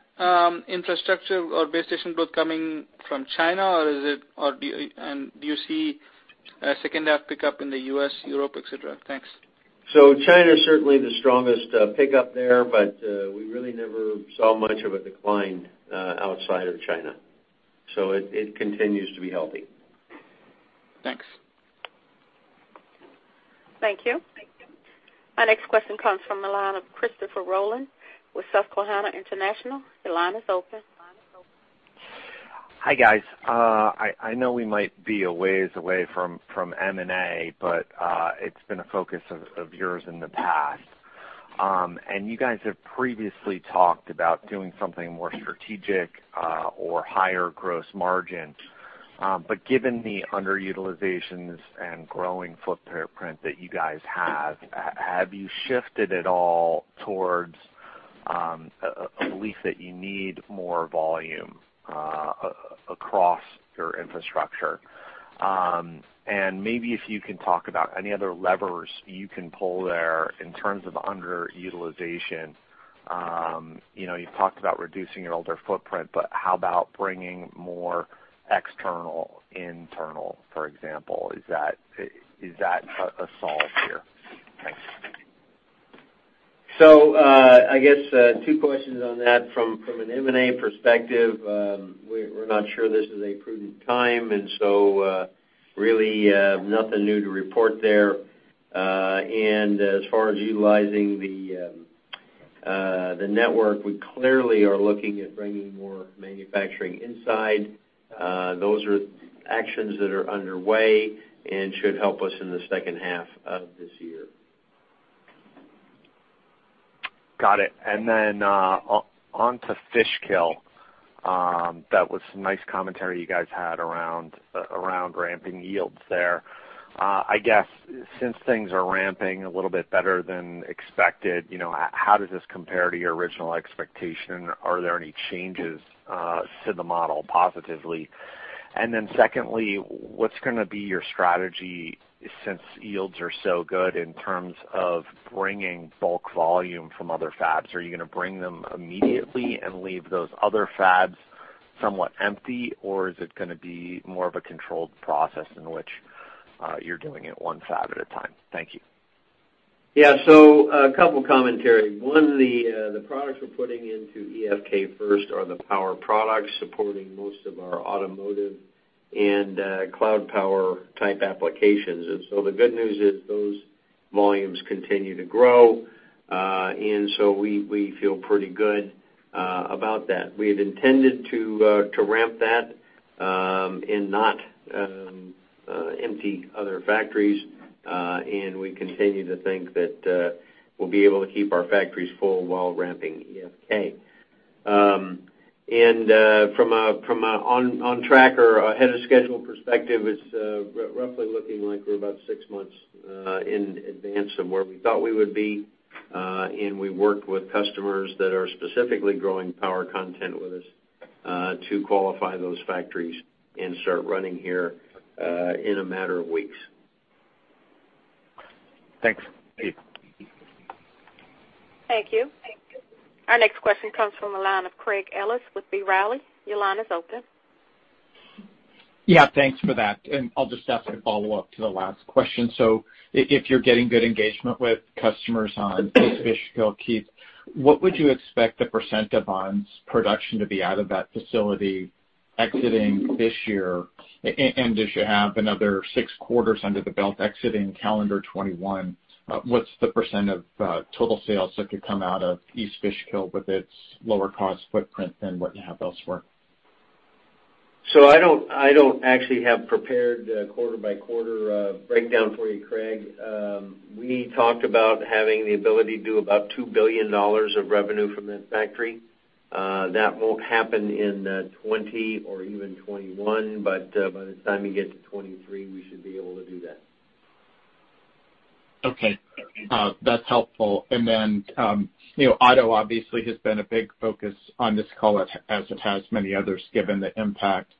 infrastructure or base station both coming from China, and do you see a second half pickup in the U.S., Europe, et cetera? Thanks. China is certainly the strongest pickup there, but we really never saw much of a decline outside of China. It continues to be healthy. Thanks. Thank you. Our next question comes from the line of Christopher Rolland with Susquehanna International. Your line is open. Hi, guys. I know we might be a ways away from M&A. It's been a focus of yours in the past. You guys have previously talked about doing something more strategic or higher gross margin. Given the underutilizations and growing footprint that you guys have you shifted at all towards a belief that you need more volume across your infrastructure? Maybe if you can talk about any other levers you can pull there in terms of underutilization. You've talked about reducing your older footprint. How about bringing more external internal, for example? Is that a solve here? Thanks. I guess two questions on that from an M&A perspective. We're not sure this is a prudent time, really nothing new to report there. As far as utilizing the network, we clearly are looking at bringing more manufacturing inside. Those are actions that are underway and should help us in the second half of this year. Got it. On to Fishkill. That was some nice commentary you guys had around ramping yields there. Since things are ramping a little bit better than expected, how does this compare to your original expectation? Are there any changes to the model positively? Secondly, what's going to be your strategy since yields are so good in terms of bringing bulk volume from other fabs? Are you going to bring them immediately and leave those other fabs somewhat empty, or is it going to be more of a controlled process in which you're doing it one fab at a time? Thank you. Yeah. A couple of commentary. One, the products we're putting into EFK first are the power products supporting most of our automotive and cloud power type applications. The good news is those volumes continue to grow, and so we feel pretty good about that. We had intended to ramp that and not empty other factories, and we continue to think that we'll be able to keep our factories full while ramping EFK. From an on-track or ahead-of-schedule perspective, it's roughly looking like we're about six months in advance of where we thought we would be. We worked with customers that are specifically growing power content with us to qualify those factories and start running here in a matter of weeks. Thanks. Thank you. Our next question comes from the line of Craig Ellis with B. Riley. Your line is open. Yeah, thanks for that. I'll just ask a follow-up to the last question. If you're getting good engagement with customers on East Fishkill, Keith, what would you expect the percent of ON's production to be out of that facility exiting this year? As you have another six quarters under the belt exiting calendar 2021, what's the percent of total sales that could come out of East Fishkill with its lower cost footprint than what you have elsewhere? I don't actually have prepared quarter-by-quarter breakdown for you, Craig. We talked about having the ability to do about $2 billion of revenue from that factory. That won't happen in 2020 or even 2021, by the time you get to 2023, we should be able to do that. Okay. That's helpful. Auto obviously has been a big focus on this call as it has many others, given the impact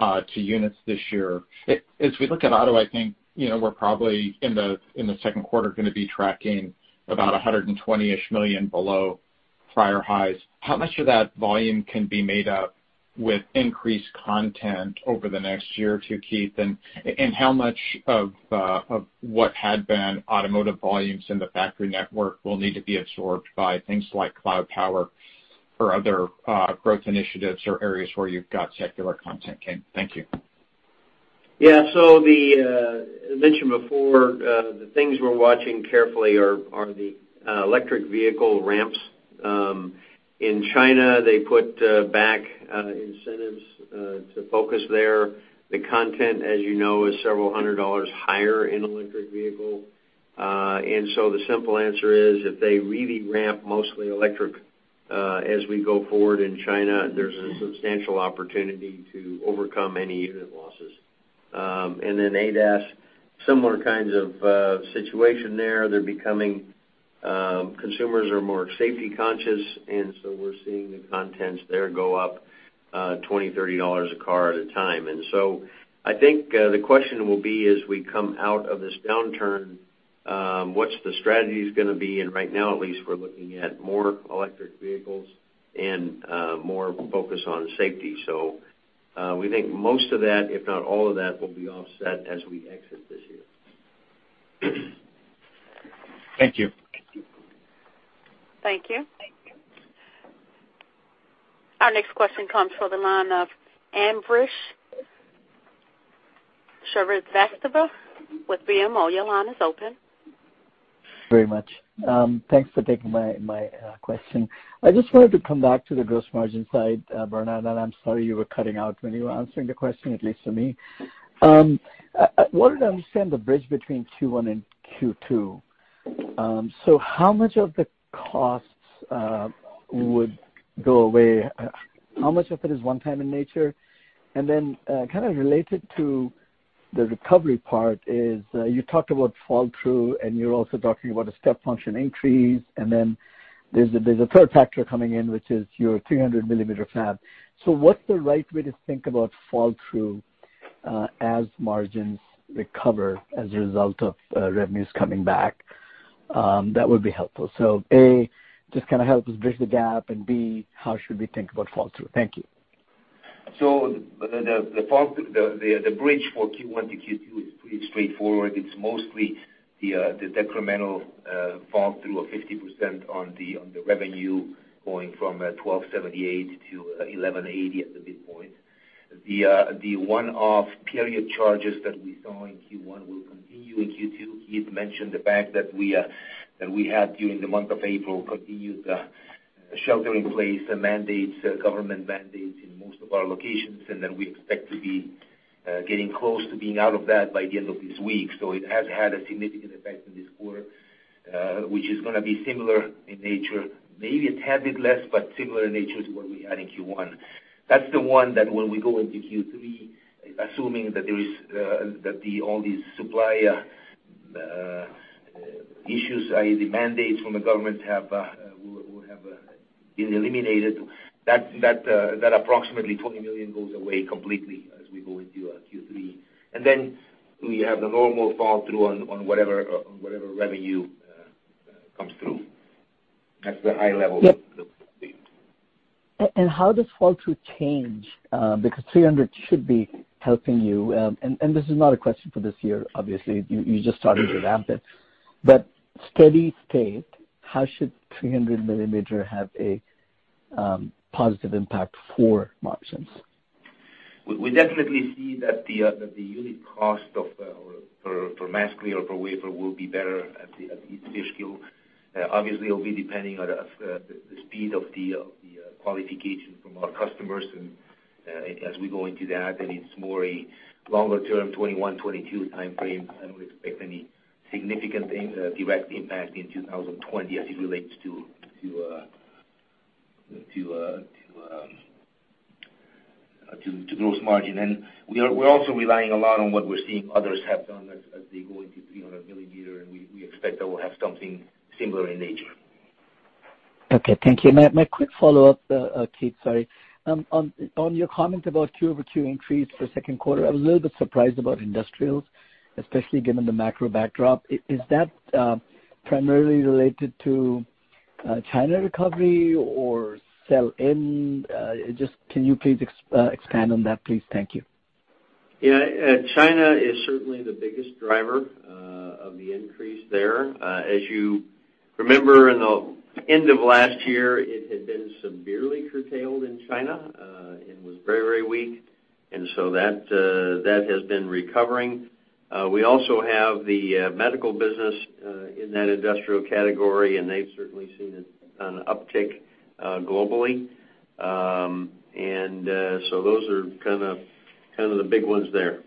to units this year. As we look at Auto, I think we're probably, in the second quarter, going to be tracking about $120 million below prior highs. How much of that volume can be made up with increased content over the next year or two, Keith? How much of what had been automotive volumes in the factory network will need to be absorbed by things like cloud power or other growth initiatives or areas where you've got secular content? Thank you. Yeah. As mentioned before, the things we're watching carefully are the electric vehicle ramps. In China, they put back incentives to focus there. The content, as you know, is several hundred dollars higher in electric vehicle. The simple answer is, if they really ramp mostly electric as we go forward in China, there's a substantial opportunity to overcome any unit losses. ADAS, similar kinds of situation there. Consumers are more safety conscious, and so we're seeing the contents there go up $20, $30 a car at a time. I think the question will be, as we come out of this downturn, what's the strategies going to be? Right now, at least, we're looking at more electric vehicles and more focus on safety. We think most of that, if not all of that, will be offset as we exit this year. Thank you. Thank you. Our next question comes from the line of Ambrish Srivastava with BMO. Your line is open. Very much. Thanks for taking my question. I just wanted to come back to the gross margin side, Bernard, and I'm sorry you were cutting out when you were answering the question, at least for me. I wanted to understand the bridge between Q1 and Q2. How much of the costs would go away? How much of it is one time in nature? And then kind of related to the recovery part is, you talked about fall-through, and you're also talking about a step function increase, and then there's a third factor coming in, which is your 300 mm fab. What's the right way to think about fall-through as margins recover as a result of revenues coming back? That would be helpful. A, just kind of help us bridge the gap, and B, how should we think about fall-through? Thank you. The bridge for Q1 to Q2 is pretty straightforward. It's mostly the decremental fall-through of 50% on the revenue going from $1,278-$1,180 at the midpoint. The one-off period charges that we saw in Q1 will continue in Q2. Keith mentioned the fact that we had during the month of April continued shelter in place mandates, government mandates in most of our locations, and then we expect to be getting close to being out of that by the end of this week. It has had a significant effect in this quarter, which is going to be similar in nature, maybe a tad bit less, but similar in nature to what we had in Q1. That's the one that when we go into Q3, assuming that all these supply issues, i.e. the mandates from the government will have been eliminated, that approximately $20 million goes away completely as we go into Q3. Then we have the normal fall-through on whatever revenue comes through. That's the high level view. How does fall-through change? Because 300 should be helping you. This is not a question for this year, obviously. You're just starting to ramp it. Steady state, how should 300 mm have a positive impact for margins? We definitely see that the unit cost per mask or per wafer will be better at East Fishkill. Obviously, it'll be depending on the speed of the qualification from our customers and as we go into that, and it's more a longer term 2021, 2022 timeframe. I don't expect any significant direct impact in 2020 as it relates to gross margin. We're also relying a lot on what we're seeing others have done as they go into 300-mm and we expect that we'll have something similar in nature. Okay. Thank you. My quick follow-up, Keith, sorry. On your comment about Q over Q increase for second quarter, I was a little bit surprised about industrials, especially given the macro backdrop. Is that primarily related to China recovery or sell-in? Just can you please expand on that, please? Thank you. Yeah. China is certainly the biggest driver of the increase there. As you remember, in the end of last year, it had been severely curtailed in China, and was very weak. That has been recovering. We also have the medical business in that industrial category, and they've certainly seen an uptick globally. Those are kind of the big ones there.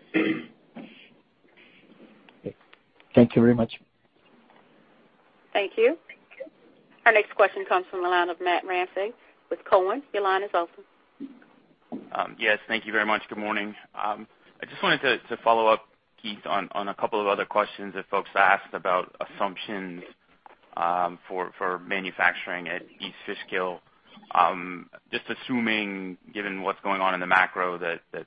Thank you very much. Thank you. Our next question comes from the line of Matt Ramsay with Cowen. Your line is open. Yes, thank you very much. Good morning. I just wanted to follow up, Keith, on a couple of other questions that folks asked about assumptions. For manufacturing at East Fishkill, just assuming, given what's going on in the macro, that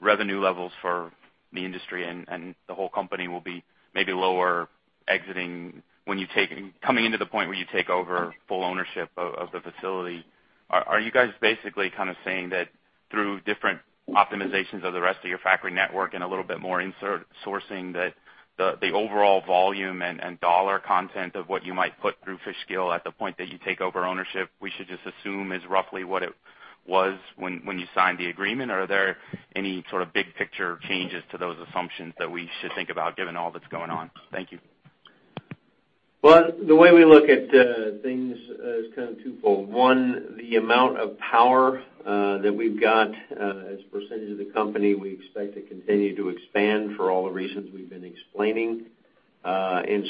revenue levels for the industry and the whole company will be maybe lower exiting, coming into the point where you take over full ownership of the facility, are you guys basically saying that through different optimizations of the rest of your factory network and a little bit more insert sourcing, that the overall volume and dollar content of what you might put through Fishkill at the point that you take over ownership, we should just assume is roughly what it was when you signed the agreement? Are there any sort of big picture changes to those assumptions that we should think about given all that's going on? Thank you. Well, the way we look at things is kind of twofold. One, the amount of power that we've got as a percent of the company, we expect to continue to expand for all the reasons we've been explaining.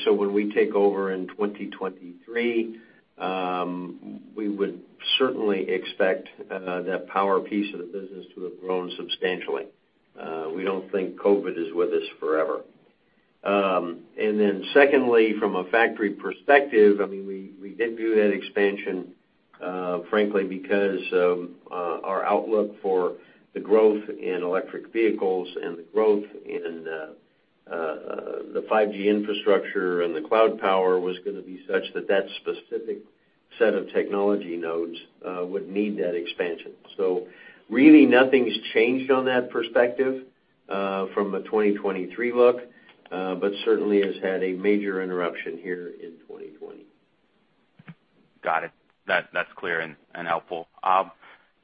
When we take over in 2023, we would certainly expect that power piece of the business to have grown substantially. We don't think COVID is with us forever. Secondly, from a factory perspective, we did view that expansion, frankly, because of our outlook for the growth in electric vehicles and the growth in the 5G infrastructure and the cloud power was going to be such that that specific set of technology nodes would need that expansion. Really nothing's changed on that perspective from a 2023 look, but certainly has had a major interruption here in 2020. Got it. That's clear and helpful.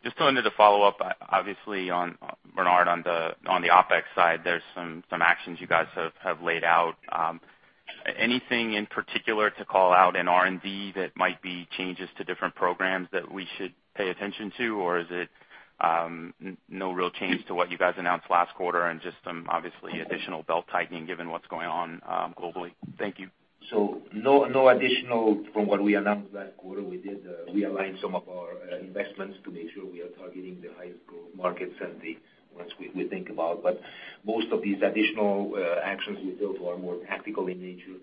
Just under the follow-up, obviously, Bernard, on the OpEx side, there's some actions you guys have laid out. Anything in particular to call out in R&D that might be changes to different programs that we should pay attention to? Is it no real change to what you guys announced last quarter and just some obviously additional belt-tightening given what's going on globally? Thank you. No additional from what we announced last quarter. We did realign some of our investments to make sure we are targeting the highest growth markets and the ones we think about. Most of these additional actions we built were more tactical in nature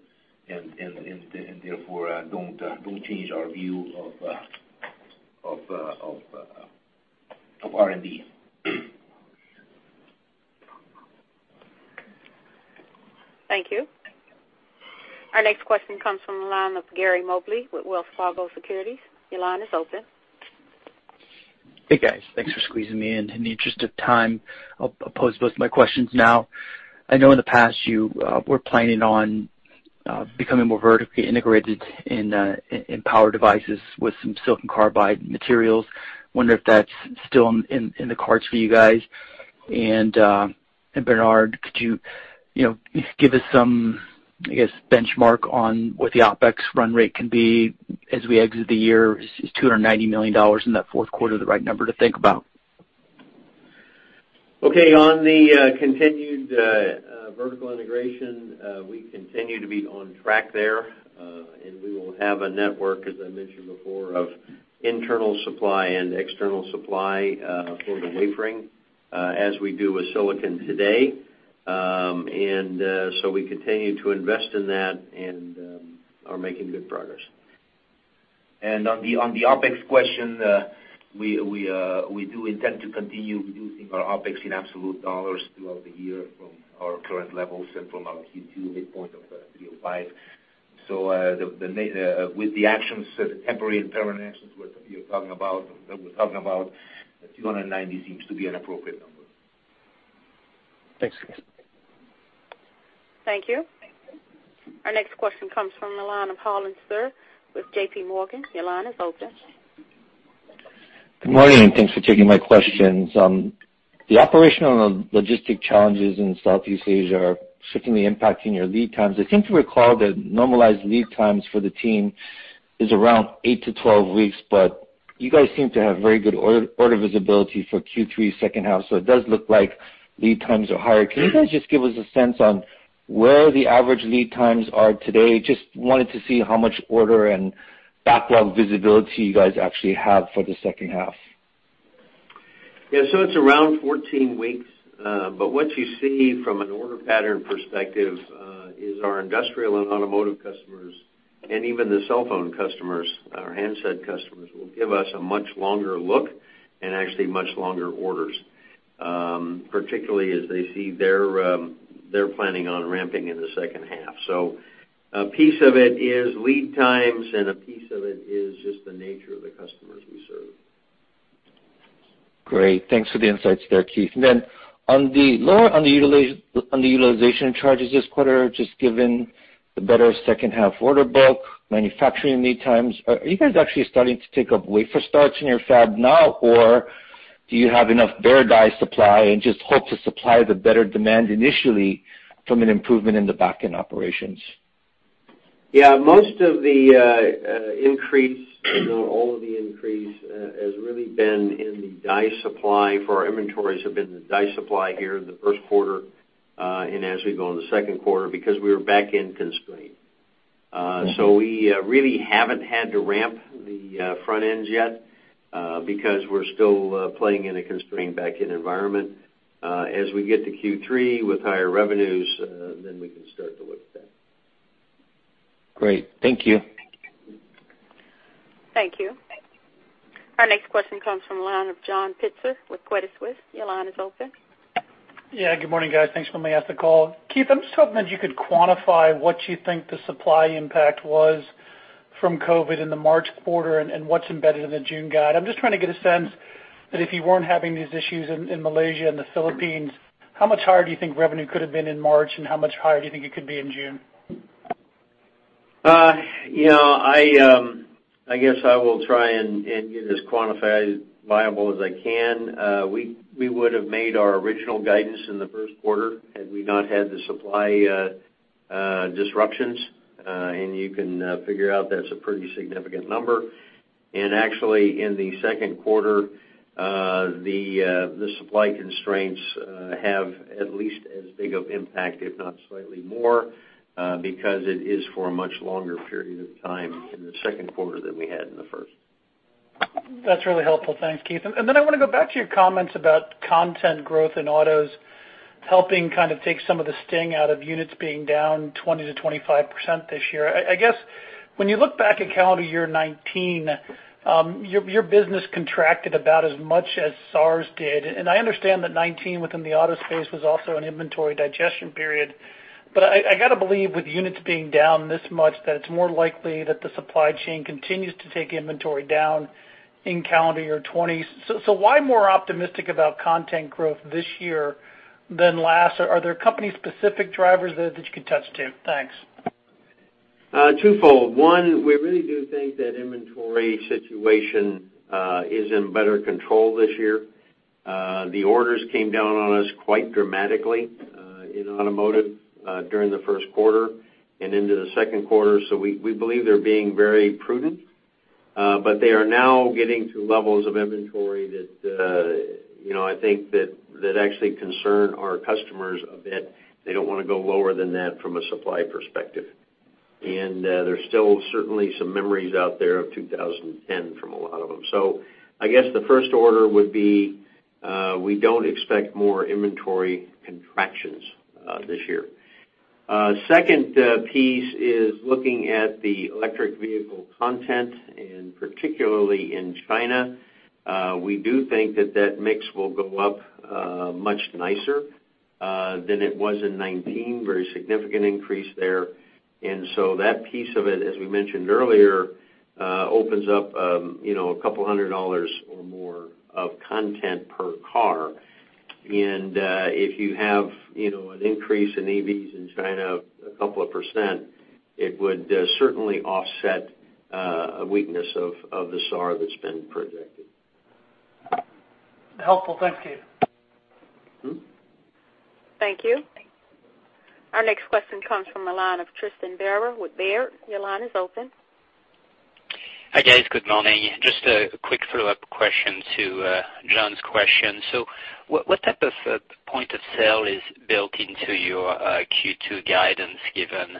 and therefore don't change our view of R&D. Thank you. Our next question comes from the line of Gary Mobley with Wells Fargo Securities. Your line is open. Hey, guys. Thanks for squeezing me in. In the interest of time, I'll pose both of my questions now. I know in the past you were planning on becoming more vertically integrated in power devices with some silicon carbide materials. Wonder if that's still in the cards for you guys? Bernard Gutmann, could you give us some, I guess, benchmark on what the OpEx run rate can be as we exit the year? Is $290 million in that fourth quarter the right number to think about? Okay. On the continued vertical integration, we continue to be on track there. We will have a network, as I mentioned before, of internal supply and external supply for the wafering, as we do with silicon today. We continue to invest in that and are making good progress. On the OpEx question, we do intend to continue reducing our OpEx in absolute dollars throughout the year from our current levels and from our Q2 midpoint of $305. With the actions, the temporary and permanent actions that we're talking about, $290 seems to be an appropriate number. Thanks, guys. Thank you. Our next question comes from the line of Harlan Sur with JP Morgan. Your line is open. Good morning, and thanks for taking my questions. The operational and logistic challenges in Southeast Asia are certainly impacting your lead times. I seem to recall that normalized lead times for the team is around 8-12 weeks, but you guys seem to have very good order visibility for Q3 second half, so it does look like lead times are higher. Can you guys just give us a sense on where the average lead times are today? Just wanted to see how much order and backlog visibility you guys actually have for the second half. Yeah, it's around 14 weeks. What you see from an order pattern perspective is our industrial and automotive customers, and even the cell phone customers, our handset customers, will give us a much longer look and actually much longer orders, particularly as they see they're planning on ramping in the second half. A piece of it is lead times, and a piece of it is just the nature of the customers we serve. Great. Thanks for the insights there, Keith. On the lower utilization charges this quarter, just given the better second half order book, manufacturing lead times, are you guys actually starting to take up wafer starts in your fab now? Or do you have enough bare die supply and just hope to supply the better demand initially from an improvement in the back-end operations? Yeah, most of the increase, if not all of the increase, has really been in the die supply for our inventories, have been the die supply here in the first quarter, and as we go in the second quarter, because we were back-end constrained. We really haven't had to ramp the front ends yet, because we're still playing in a constrained back-end environment. As we get to Q3 with higher revenues, we can start to look at that. Great. Thank you. Thank you. Our next question comes from the line of John Pitzer with Credit Suisse. Your line is open. Yeah, good morning, guys. Thanks for letting me ask the call. Keith, I'm just hoping that you could quantify what you think the supply impact was from COVID in the March quarter and what's embedded in the June guide. I'm just trying to get a sense that if you weren't having these issues in Malaysia and the Philippines, how much higher do you think revenue could have been in March, and how much higher do you think it could be in June? I guess I will try and get as quantifiable as I can. We would have made our original guidance in the first quarter had we not had the supply disruptions. You can figure out that's a pretty significant number. Actually, in the second quarter, the supply constraints have at least as big of impact, if not slightly more, because it is for a much longer period of time in the second quarter than we had in the first. That's really helpful. Thanks, Keith. I want to go back to your comments about content growth in autos helping take some of the sting out of units being down 20%-25% this year. I guess when you look back at calendar year 2019, your business contracted about as much as SARS did. I understand that 2019 within the auto space was also an inventory digestion period, I got to believe with units being down this much, that it's more likely that the supply chain continues to take inventory down in calendar year 2020. Why more optimistic about content growth this year than last? Are there company specific drivers there that you can touch to? Thanks. Twofold. One, we really do think that inventory situation is in better control this year. The orders came down on us quite dramatically in automotive during the first quarter and into the second quarter, so we believe they're being very prudent. They are now getting to levels of inventory that I think that actually concern our customers a bit. They don't want to go lower than that from a supply perspective. There's still certainly some memories out there of 2010 from a lot of them. I guess the first order would be, we don't expect more inventory contractions this year. Second piece is looking at the electric vehicle content, and particularly in China. We do think that that mix will go up much nicer than it was in 2019, very significant increase there. That piece of it, as we mentioned earlier, opens up a couple hundred dollars or more of content per car. If you have an increase in EVs in China a couple of percent, it would certainly offset a weakness of the SAAR that's been projected. Helpful. Thanks, Keith. Thank you. Our next question comes from the line of Tristan Gerra with Baird. Your line is open. Hi, guys. Good morning. Just a quick follow-up question to John's question. What type of point of sale is built into your Q2 guidance, given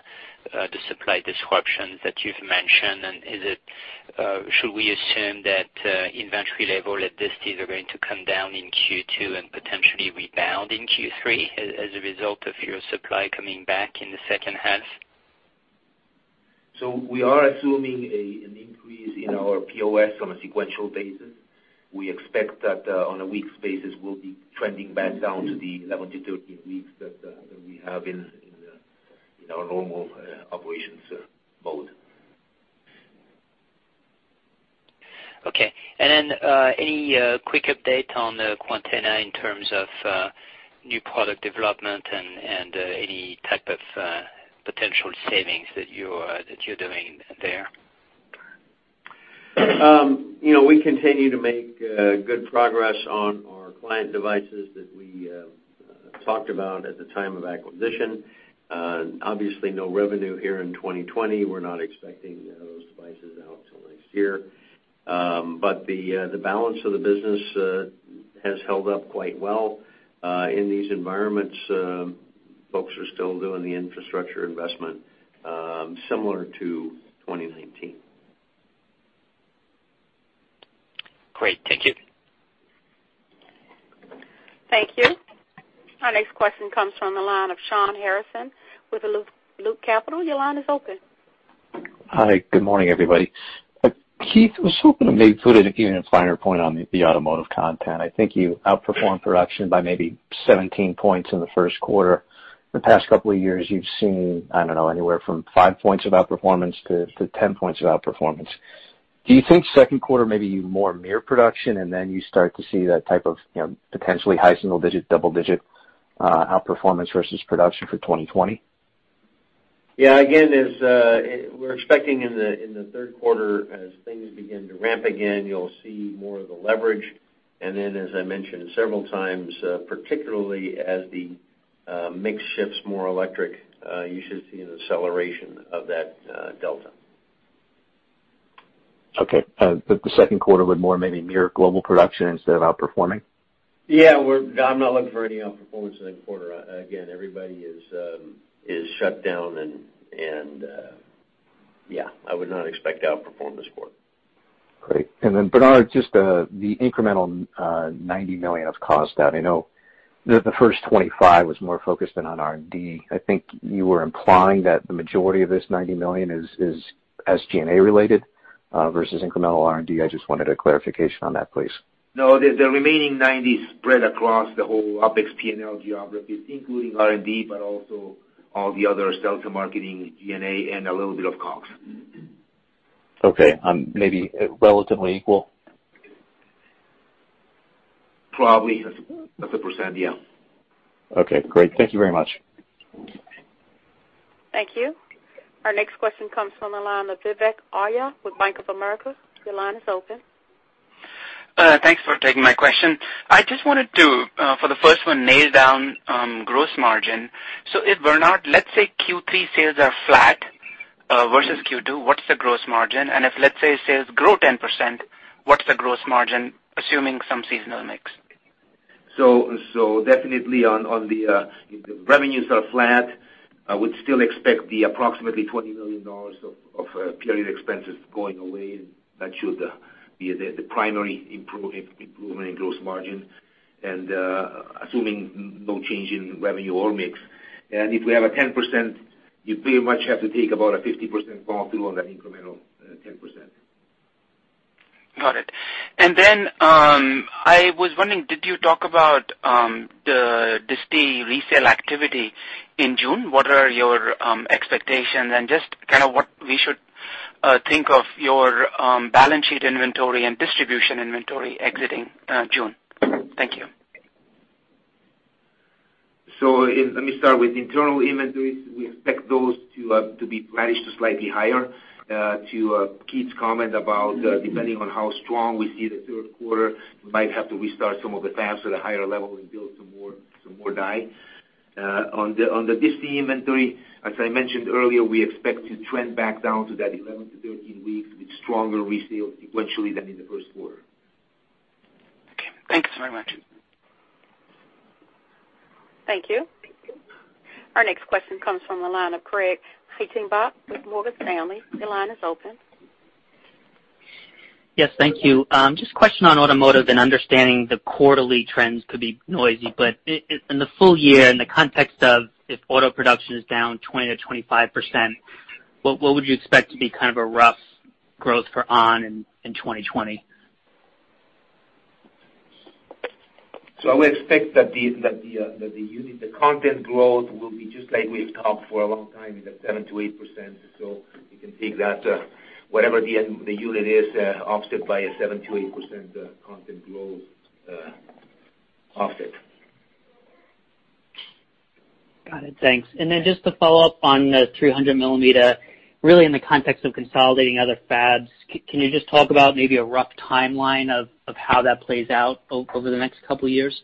the supply disruptions that you've mentioned? Should we assume that inventory level at this stage are going to come down in Q2 and potentially rebound in Q3 as a result of your supply coming back in the second half? We are assuming an increase in our POS on a sequential basis. We expect that on a weeks basis, we'll be trending back down to the 11 weeks-13 weeks that we have in our normal operations mode. Okay. Any quick update on Quantenna in terms of new product development and any type of potential savings that you're doing there? We continue to make good progress on our client devices that we talked about at the time of acquisition. Obviously, no revenue here in 2020. We're not expecting those devices out till next year. The balance of the business has held up quite well. In these environments, folks are still doing the infrastructure investment similar to 2019. Great. Thank you. Thank you. Our next question comes from the line of Shawn Harrison with Loop Capital. Your line is open. Hi, good morning, everybody. Keith, I was hoping to maybe put a finer point on the automotive content. I think you outperformed production by maybe 17 points in the first quarter. The past couple of years, you've seen, I don't know, anywhere from five points of outperformance to 10 points of outperformance. Do you think second quarter may be more mere production, and then you start to see that type of potentially high single digit, double digit outperformance versus production for 2020? Yeah. Again, we're expecting in the third quarter, as things begin to ramp again, you'll see more of the leverage. As I mentioned several times, particularly as the mix shifts more electric, you should see an acceleration of that delta. Okay. The second quarter would more maybe mirror global production instead of outperforming? Yeah. I'm not looking for any outperformance in the quarter. Again, everybody is shut down, and I would not expect to outperform this quarter. Great. Bernard, just the incremental $90 million of cost that I know the first 25 was more focused in on R&D. I think you were implying that the majority of this $90 million is SG&A related versus incremental R&D. I just wanted a clarification on that, please. No, the remaining $90 is spread across the whole OpEx P&L geographies, including R&D, but also all the other sales and marketing, G&A, and a little bit of COGS. Okay. Maybe relatively equal? Probably. As a percent, yeah. Okay, great. Thank you very much. Thank you. Our next question comes from the line of Vivek Arya with Bank of America. Your line is open. Thanks for taking my question. I just wanted to, for the first one, nail down gross margin. Let's say Q3 sales are flat versus Q2, what's the gross margin? If, let's say, sales grow 10%, what's the gross margin, assuming some seasonal mix? If the revenues are flat, I would still expect the approximately $20 million of period expenses going away. That should be the primary improvement in gross margin. Assuming no change in revenue or mix, if we have a 10%, you pretty much have to take about a 50% bump through on that incremental 10%. Got it. I was wondering, did you talk about the disti resale activity in June? What are your expectations and just kind of what we should think of your balance sheet inventory and distribution inventory exiting June? Thank you. Let me start with internal inventories. We expect those to manage to slightly higher. To Keith's comment about depending on how strong we see the third quarter, we might have to restart some of the fabs at a higher level and build some more die. On the disti inventory, as I mentioned earlier, we expect to trend back down to that 11weeks-13 weeks with stronger resales sequentially than in the first quarter. Okay. Thanks very much. Thank you. Our next question comes from the line of Craig Hettenbach with Morgan Stanley. Your line is open. Yes, thank you. Just a question on automotive and understanding the quarterly trends could be noisy, but in the full year, in the context of if auto production is down 20%-25%, what would you expect to be kind of a rough growth for ON in 2020? I would expect that the content growth will be just like we've talked for a long time, in the 7%-8%. You can take that, whatever the unit is, offset by a 7%-8% content growth offset. Got it. Thanks. Just to follow up on the 300 mm really in the context of consolidating other fabs, can you just talk about maybe a rough timeline of how that plays out over the next couple of years?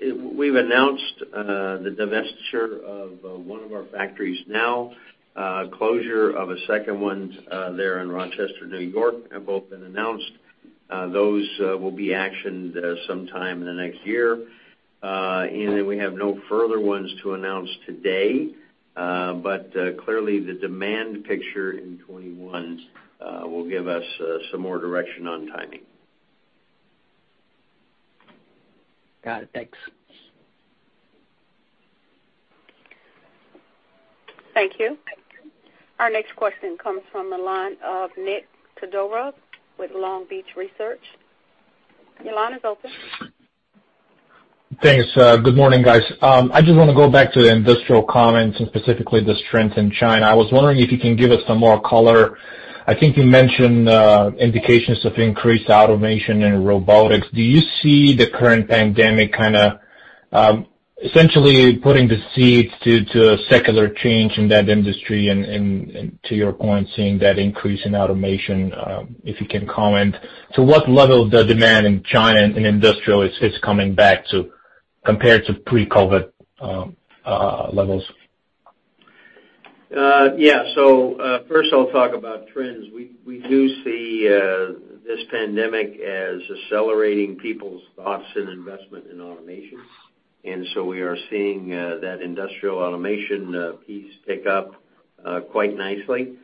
We've announced the divestiture of one of our factories now, closure of a second one there in Rochester, New York, have both been announced. Those will be actioned sometime in the next year. We have no further ones to announce today. Clearly the demand picture in 2021 will give us some more direction on timing. Got it. Thanks. Thank you. Our next question comes from the line of Nick Todorov with Longbow Research. Your line is open. Thanks. Good morning, guys. I just want to go back to the industrial comments and specifically the strength in China. I was wondering if you can give us some more color. I think you mentioned indications of increased automation and robotics. Do you see the current pandemic kind of essentially putting the seeds to a secular change in that industry and to your point, seeing that increase in automation, if you can comment? To what level the demand in China in industrial is coming back to compared to pre-COVID levels? First I'll talk about trends. We do see this pandemic as accelerating people's thoughts and investment in automation. We are seeing that industrial automation piece pick up quite nicely.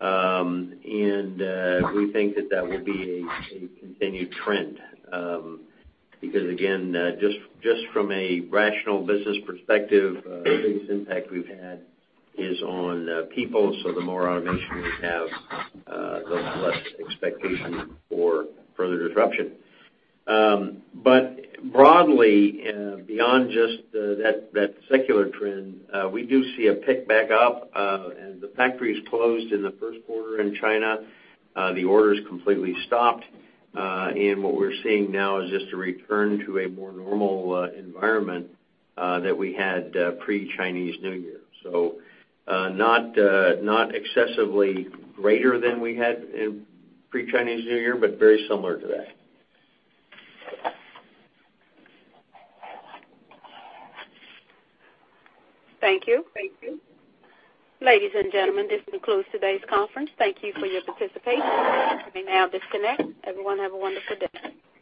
We think that that will be a continued trend. Because again, just from a rational business perspective, the biggest impact we've had is on people, so the more automation we have, the less expectation for further disruption. Broadly, beyond just that secular trend, we do see a pick back up. As the factories closed in the first quarter in China, the orders completely stopped. What we're seeing now is just a return to a more normal environment that we had pre-Chinese New Year. Not excessively greater than we had pre-Chinese New Year, but very similar to that. Thank you. Ladies and gentlemen, this concludes today's conference. Thank you for your participation. You may now disconnect. Everyone, have a wonderful day.